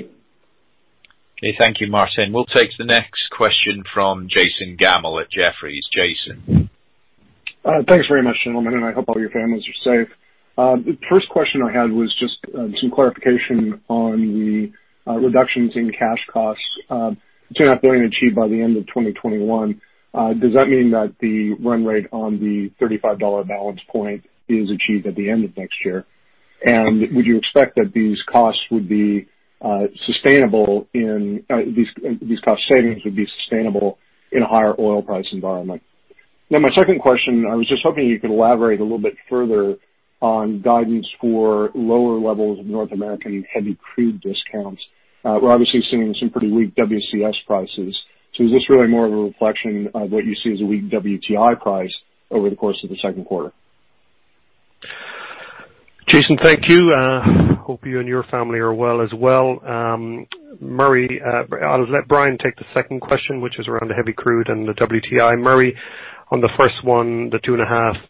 Okay. Thank you, Martijn. We'll take the next question from Jason Gammel at Jefferies. Jason. Thanks very much, gentlemen, and I hope all your families are safe. The first question I had was just some clarification on the reductions in cash costs, $2.5 billion achieved by the end of 2021. Does that mean that the run rate on the $35 balance point is achieved at the end of next year? Would you expect that these cost savings would be sustainable in a higher oil price environment? My second question, I was just hoping you could elaborate a little bit further on guidance for lower levels of North American heavy crude discounts. We're obviously seeing some pretty weak WCS prices. Is this really more of a reflection of what you see as a weak WTI price over the course of the second quarter? Jason, thank you. Hope you and your family are well as well. Murray, I'll let Brian take the second question, which is around the heavy crude and the WTI. Murray, on the first one, the $2.5 billion,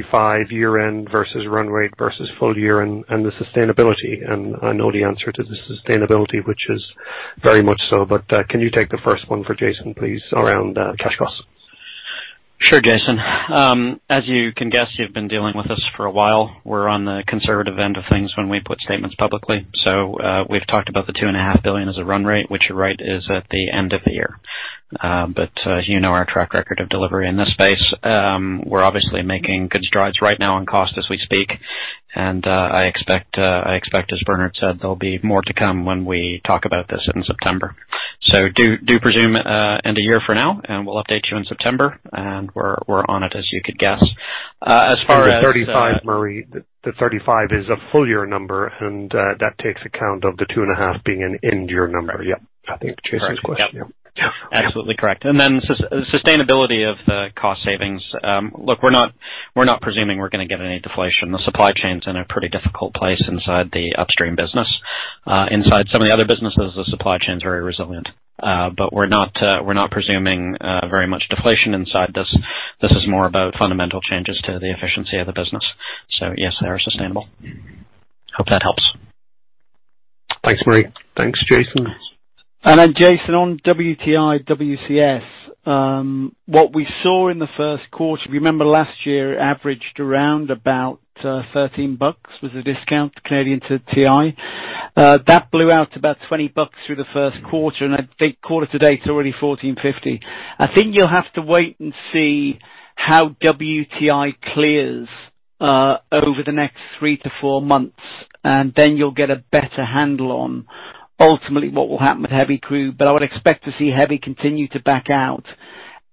the $35 year-end versus run rate versus full year and the sustainability. I know the answer to the sustainability, which is very much so. Can you take the first one for Jason, please, around cash costs? Sure, Jason. As you can guess, you've been dealing with us for a while. We're on the conservative end of things when we put statements publicly. We've talked about the $2.5 billion as a run rate, which you're right, is at the end of the year. As you know our track record of delivery in this space, we're obviously making good strides right now on cost as we speak. I expect, as Bernard said, there'll be more to come when we talk about this in September. Do presume end of year for now, and we'll update you in September, and we're on it, as you could guess. The $35, Murray, the $35 is a full year number, and that takes account of the $2.5 billion being an end year number. Yep. I think Jason's question. Yep. Absolutely correct. Sustainability of the cost savings. Look, we're not presuming we're going to get any deflation. The supply chain's in a pretty difficult place inside the upstream business. Inside some of the other businesses, the supply chain's very resilient. We're not presuming very much deflation inside this. This is more about fundamental changes to the efficiency of the business. Yes, they are sustainable. Hope that helps. Thanks, Murray. Thanks, Jason. Jason, on WTI, WCS, what we saw in the first quarter, if you remember last year averaged around about $13 was the discount clearly to WTI. That blew out about $20 through the first quarter, and I think quarter-to-date, it's already $14.50. I think you'll have to wait and see how WTI clears over the next three to four months, and then you'll get a better handle on ultimately what will happen with heavy crude. I would expect to see heavy continue to back out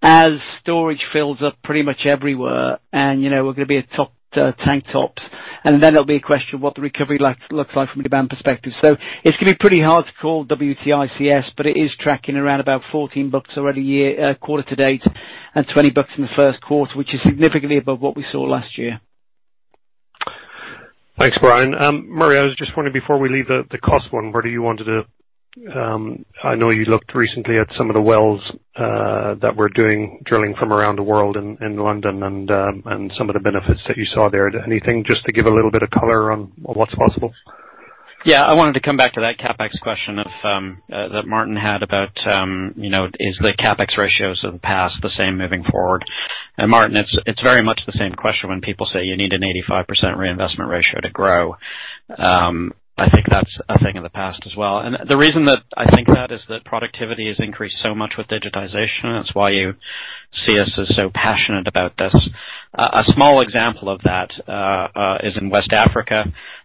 as storage fills up pretty much everywhere, and we're going to be at tank tops. Then it'll be a question of what the recovery looks like from a demand perspective. It's going to be pretty hard to call WTI WCS, but it is tracking around about $14 already quarter-to-date and $20 in the first quarter, which is significantly above what we saw last year. Thanks, Brian. Murray, I was just wondering, before we leave the cost one, whether you wanted to, I know you looked recently at some of the wells that we're doing drilling from around the world in London, and some of the benefits that you saw there. Anything just to give a little bit of color on what's possible? Yeah, I wanted to come back to that CapEx question that Martijn had about, is the CapEx ratios of the past the same moving forward? Jason, it's very much the same question when people say you need an 85% reinvestment ratio to grow. I think that's a thing of the past as well. The reason that I think that is that productivity has increased so much with digitization. That's why you see us as so passionate about this. A small example of that is in West Africa.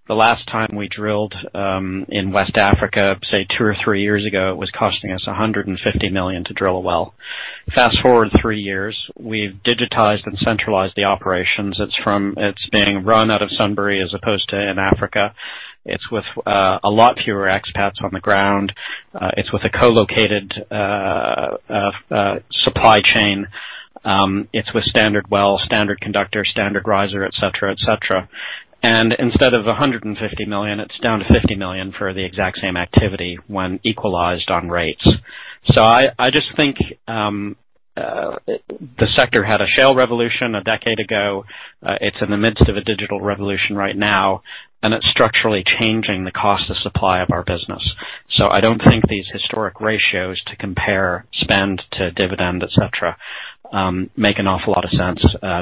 The last time we drilled in West Africa, say two or three years ago, it was costing us $150 million to drill a well. Fast-forward three years, we've digitized and centralized the operations. It's being run out of Sunbury as opposed to in Africa. It's with a lot fewer expats on the ground. It's with a co-located supply chain. It's with standard well, standard conductor, standard riser, et cetera. Instead of $150 million, it's down to $50 million for the exact same activity when equalized on rates. I just think the sector had a shale revolution a decade ago. It's in the midst of a digital revolution right now, and it's structurally changing the cost of supply of our business. I don't think these historic ratios to compare spend to dividend, et cetera, make an awful lot of sense,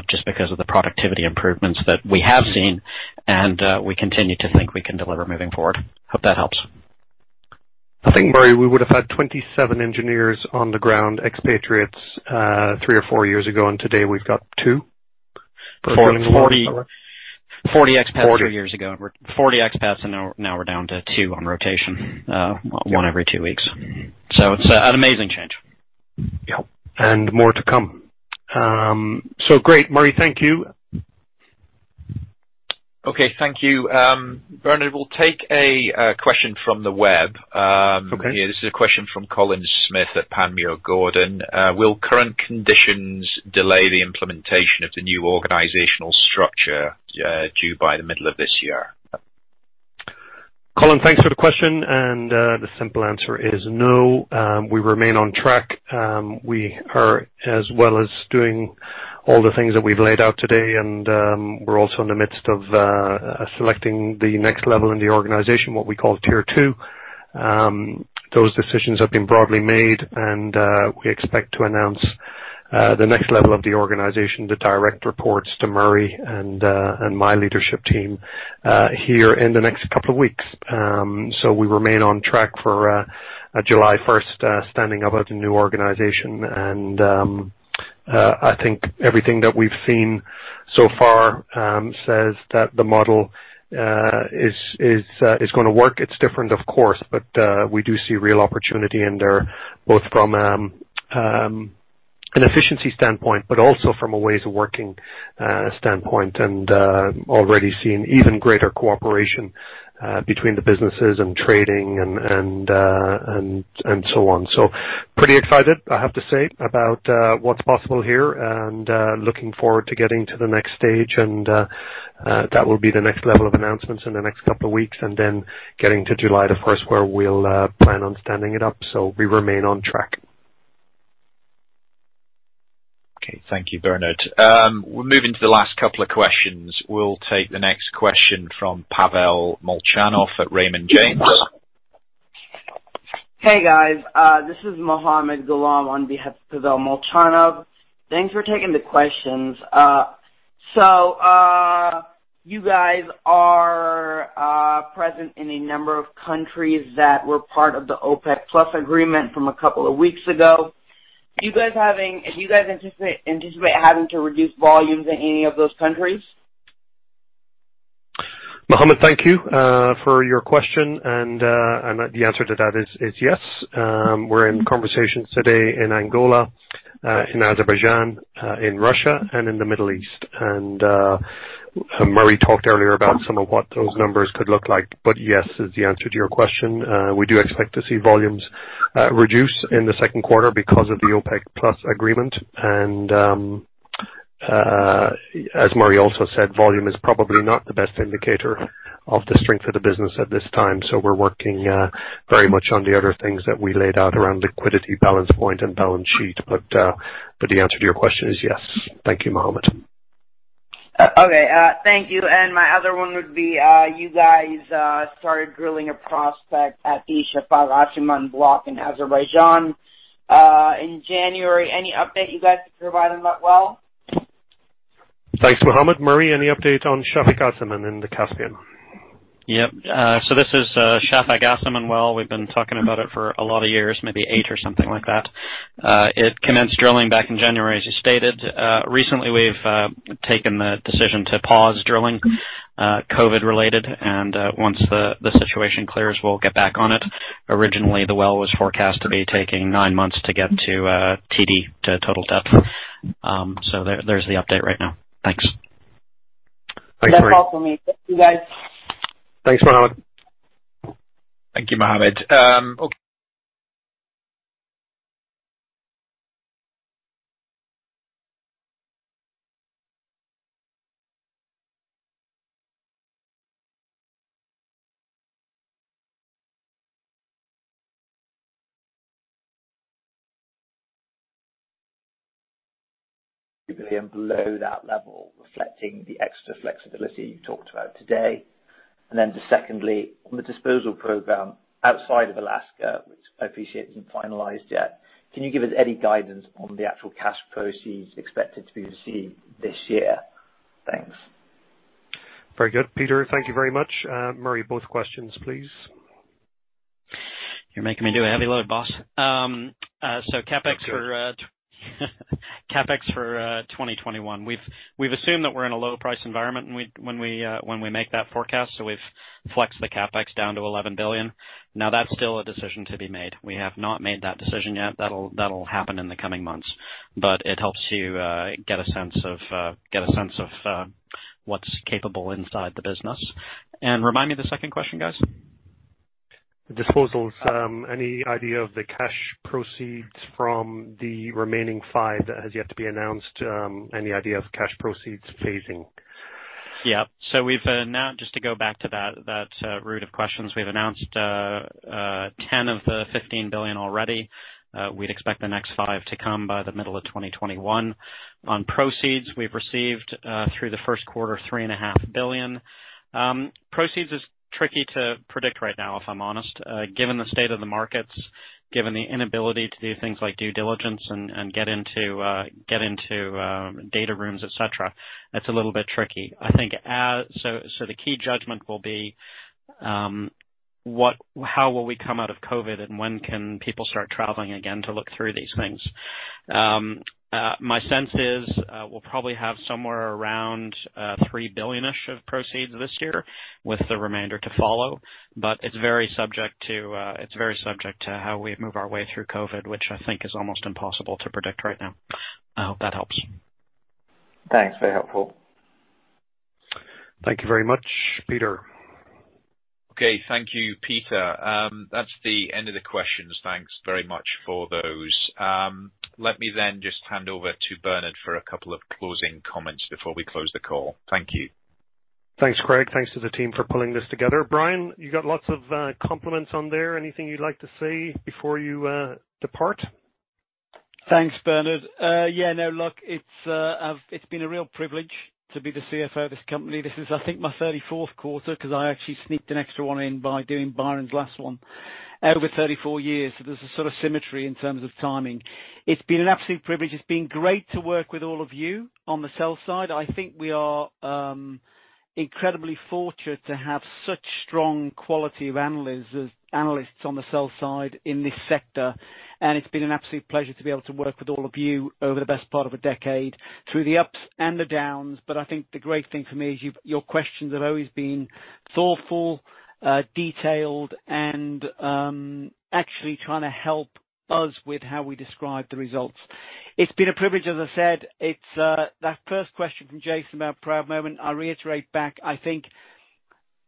just because of the productivity improvements that we have seen and we continue to think we can deliver moving forward. Hope that helps. I think, Murray, we would have had 27 engineers on the ground, expatriates, three or four years ago, and today we've got two. 40 expats a few years ago, and now we're down to two on rotation. One every two weeks. It's an amazing change. Yep. More to come. Great, Murray, thank you. Okay, thank you. Bernard, we'll take a question from the web. Okay. This is a question from Colin Smith at Panmure Gordon. Will current conditions delay the implementation of the new organizational structure due by the middle of this year? Colin, thanks for the question, and the simple answer is no. We remain on track. As well as doing all the things that we've laid out today, we're also in the midst of selecting the next level in the organization, what we call tier 2. Those decisions have been broadly made, and we expect to announce the next level of the organization, the direct reports to Murray and my leadership team, here in the next couple of weeks. We remain on track for a July 1st standing of the new organization, and I think everything that we've seen so far says that the model is going to work. It's different, of course, but we do see real opportunity in there, both from an efficiency standpoint, but also from a ways of working standpoint, and already seeing even greater cooperation between the businesses and trading and so on. Pretty excited, I have to say, about what's possible here, and looking forward to getting to the next stage, and that will be the next level of announcements in the next couple of weeks, and then getting to July 1st where we'll plan on standing it up. We remain on track. Okay, thank you, Bernard. We're moving to the last couple of questions. We'll take the next question from Pavel Molchanov at Raymond James. Hey, guys. This is Mohammed Ghulam on behalf of Pavel Molchanov. Thanks for taking the questions. You guys are present in a number of countries that were part of the OPEC+ agreement from a couple of weeks ago. Do you guys anticipate having to reduce volumes in any of those countries? Mohammed, thank you for your question. The answer to that is yes. We're in conversations today in Angola, in Azerbaijan, in Russia, and in the Middle East. Murray talked earlier about some of what those numbers could look like. Yes, is the answer to your question. We do expect to see volumes reduce in the second quarter because of the OPEC+ agreement. As Murray also said, volume is probably not the best indicator of the strength of the business at this time. We're working very much on the other things that we laid out around liquidity balance point and balance sheet. The answer to your question is yes. Thank you, Mohammed. Okay, thank you. My other one would be, you guys started drilling a prospect at the Shafag-Asiman block in Azerbaijan in January. Any update you guys could provide on that well? Thanks, Mohammed. Murray, any update on Shafag-Asiman in the Caspian? Yep. This is Shafag-Asiman well. We've been talking about it for a lot of years, maybe eight or something like that. It commenced drilling back in January, as you stated. Recently, we've taken the decision to pause drilling, COVID-related, and once the situation clears, we'll get back on it. Originally, the well was forecast to be taking nine months to get to TD, to total depth. There's the update right now. Thanks. Thanks, Murray. That's all for me. Thank you, guys. Thanks, Mohammed. Thank you, Mohammed. Below that level, reflecting the extra flexibility you talked about today. Secondly, on the disposal program outside of Alaska, which I appreciate isn't finalized yet, can you give us any guidance on the actual cash proceeds expected to be received this year? Thanks. Very good, Peter. Thank you very much. Murray, both questions, please. You're making me do a heavy load, boss. CapEx for 2021. We've assumed that we're in a low price environment when we make that forecast, so we've flexed the CapEx down to $11 billion. Now, that's still a decision to be made. We have not made that decision yet. That'll happen in the coming months. It helps you get a sense of what's capable inside the business. Remind me the second question, guys. Disposals. Any idea of the cash proceeds from the remaining $5 billion that has yet to be announced? Any idea of cash proceeds phasing? We've announced, just to go back to that root of questions, we've announced $10 billion of the $15 billion already. We'd expect the next $5 billion to come by the middle of 2021. On proceeds, we've received through the first quarter, $3.5 billion. Proceeds is tricky to predict right now, if I'm honest. Given the state of the markets, given the inability to do things like due diligence and get into data rooms, et cetera. That's a little bit tricky. The key judgment will be, how will we come out of COVID-19, and when can people start traveling again to look through these things? My sense is, we'll probably have somewhere around $3 billion-ish of proceeds this year with the remainder to follow. It's very subject to how we move our way through COVID-19, which I think is almost impossible to predict right now. I hope that helps. Thanks. Very helpful. Thank you very much, Peter. Okay. Thank you, Peter. That's the end of the questions. Thanks very much for those. Let me then just hand over to Bernard for a couple of closing comments before we close the call. Thank you. Thanks, Craig. Thanks to the team for pulling this together. Brian, you got lots of compliments on there. Anything you'd like to say before you depart? Thanks, Bernard. Yeah, no, look, it's been a real privilege to be the CFO of this company. This is, I think, my 34th quarter because I actually sneaked an extra one in by doing Byron's last one. Over 34 years, there's a sort of symmetry in terms of timing. It's been an absolute privilege. It's been great to work with all of you on the sell-side. I think we are incredibly fortunate to have such strong quality of analysts on the sell-side in this sector, and it's been an absolute pleasure to be able to work with all of you over the best part of a decade, through the ups and the downs. I think the great thing for me is your questions have always been thoughtful, detailed, and actually trying to help us with how we describe the results. It's been a privilege, as I said. That first question from Jason about proud moment, I reiterate back, I think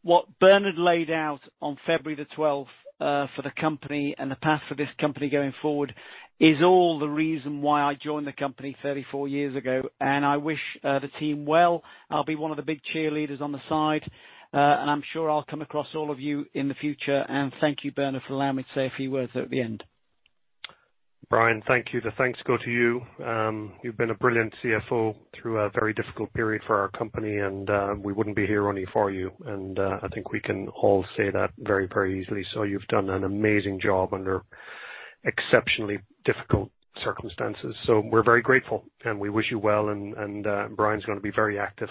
what Bernard laid out on February the 12th, for the company and the path for this company going forward is all the reason why I joined the company 34 years ago, and I wish the team well. I'll be one of the big cheerleaders on the side. I'm sure I'll come across all of you in the future. Thank you, Bernard, for allowing me to say a few words at the end. Brian, thank you. The thanks go to you. You've been a brilliant CFO through a very difficult period for our company, and we wouldn't be here only for you. I think we can all say that very, very easily. You've done an amazing job under exceptionally difficult circumstances. We're very grateful, and we wish you well, and Brian's gonna be very active.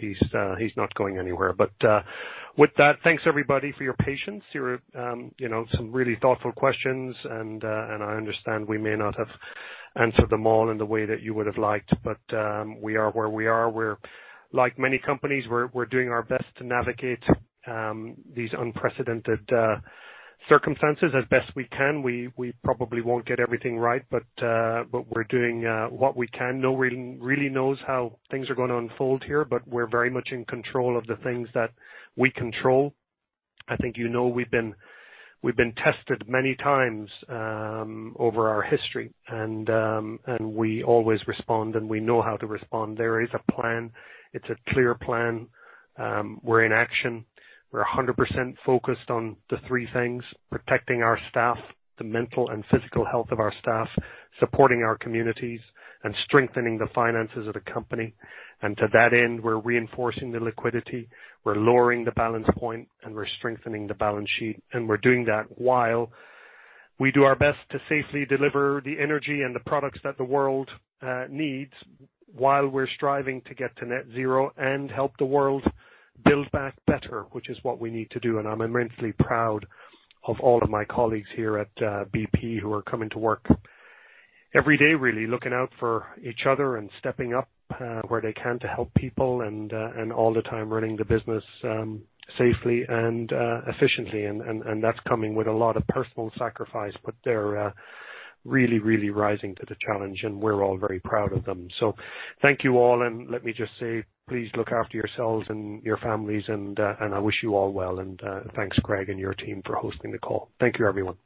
He's not going anywhere. With that, thanks, everybody, for your patience, some really thoughtful questions. I understand we may not have answered them all in the way that you would have liked, but we are where we are. Like many companies, we're doing our best to navigate these unprecedented circumstances as best we can. We probably won't get everything right, but we're doing what we can. No one really knows how things are gonna unfold here, but we're very much in control of the things that we control. I think you know we've been tested many times over our history, and we always respond, and we know how to respond. There is a plan. It's a clear plan. We're in action. We're 100% focused on the three things, protecting our staff, the mental and physical health of our staff, supporting our communities, and strengthening the finances of the company. To that end, we're reinforcing the liquidity, we're lowering the balance point, and we're strengthening the balance sheet. We're doing that while we do our best to safely deliver the energy and the products that the world needs while we're striving to get to net zero and help the world build back better, which is what we need to do. I'm immensely proud of all of my colleagues here at BP who are coming to work every day, really looking out for each other and stepping up where they can to help people and all the time running the business safely and efficiently. That's coming with a lot of personal sacrifice, but they're really rising to the challenge, and we're all very proud of them. Thank you all, and let me just say, please look after yourselves and your families, and I wish you all well. Thanks, Craig and your team, for hosting the call. Thank you, everyone.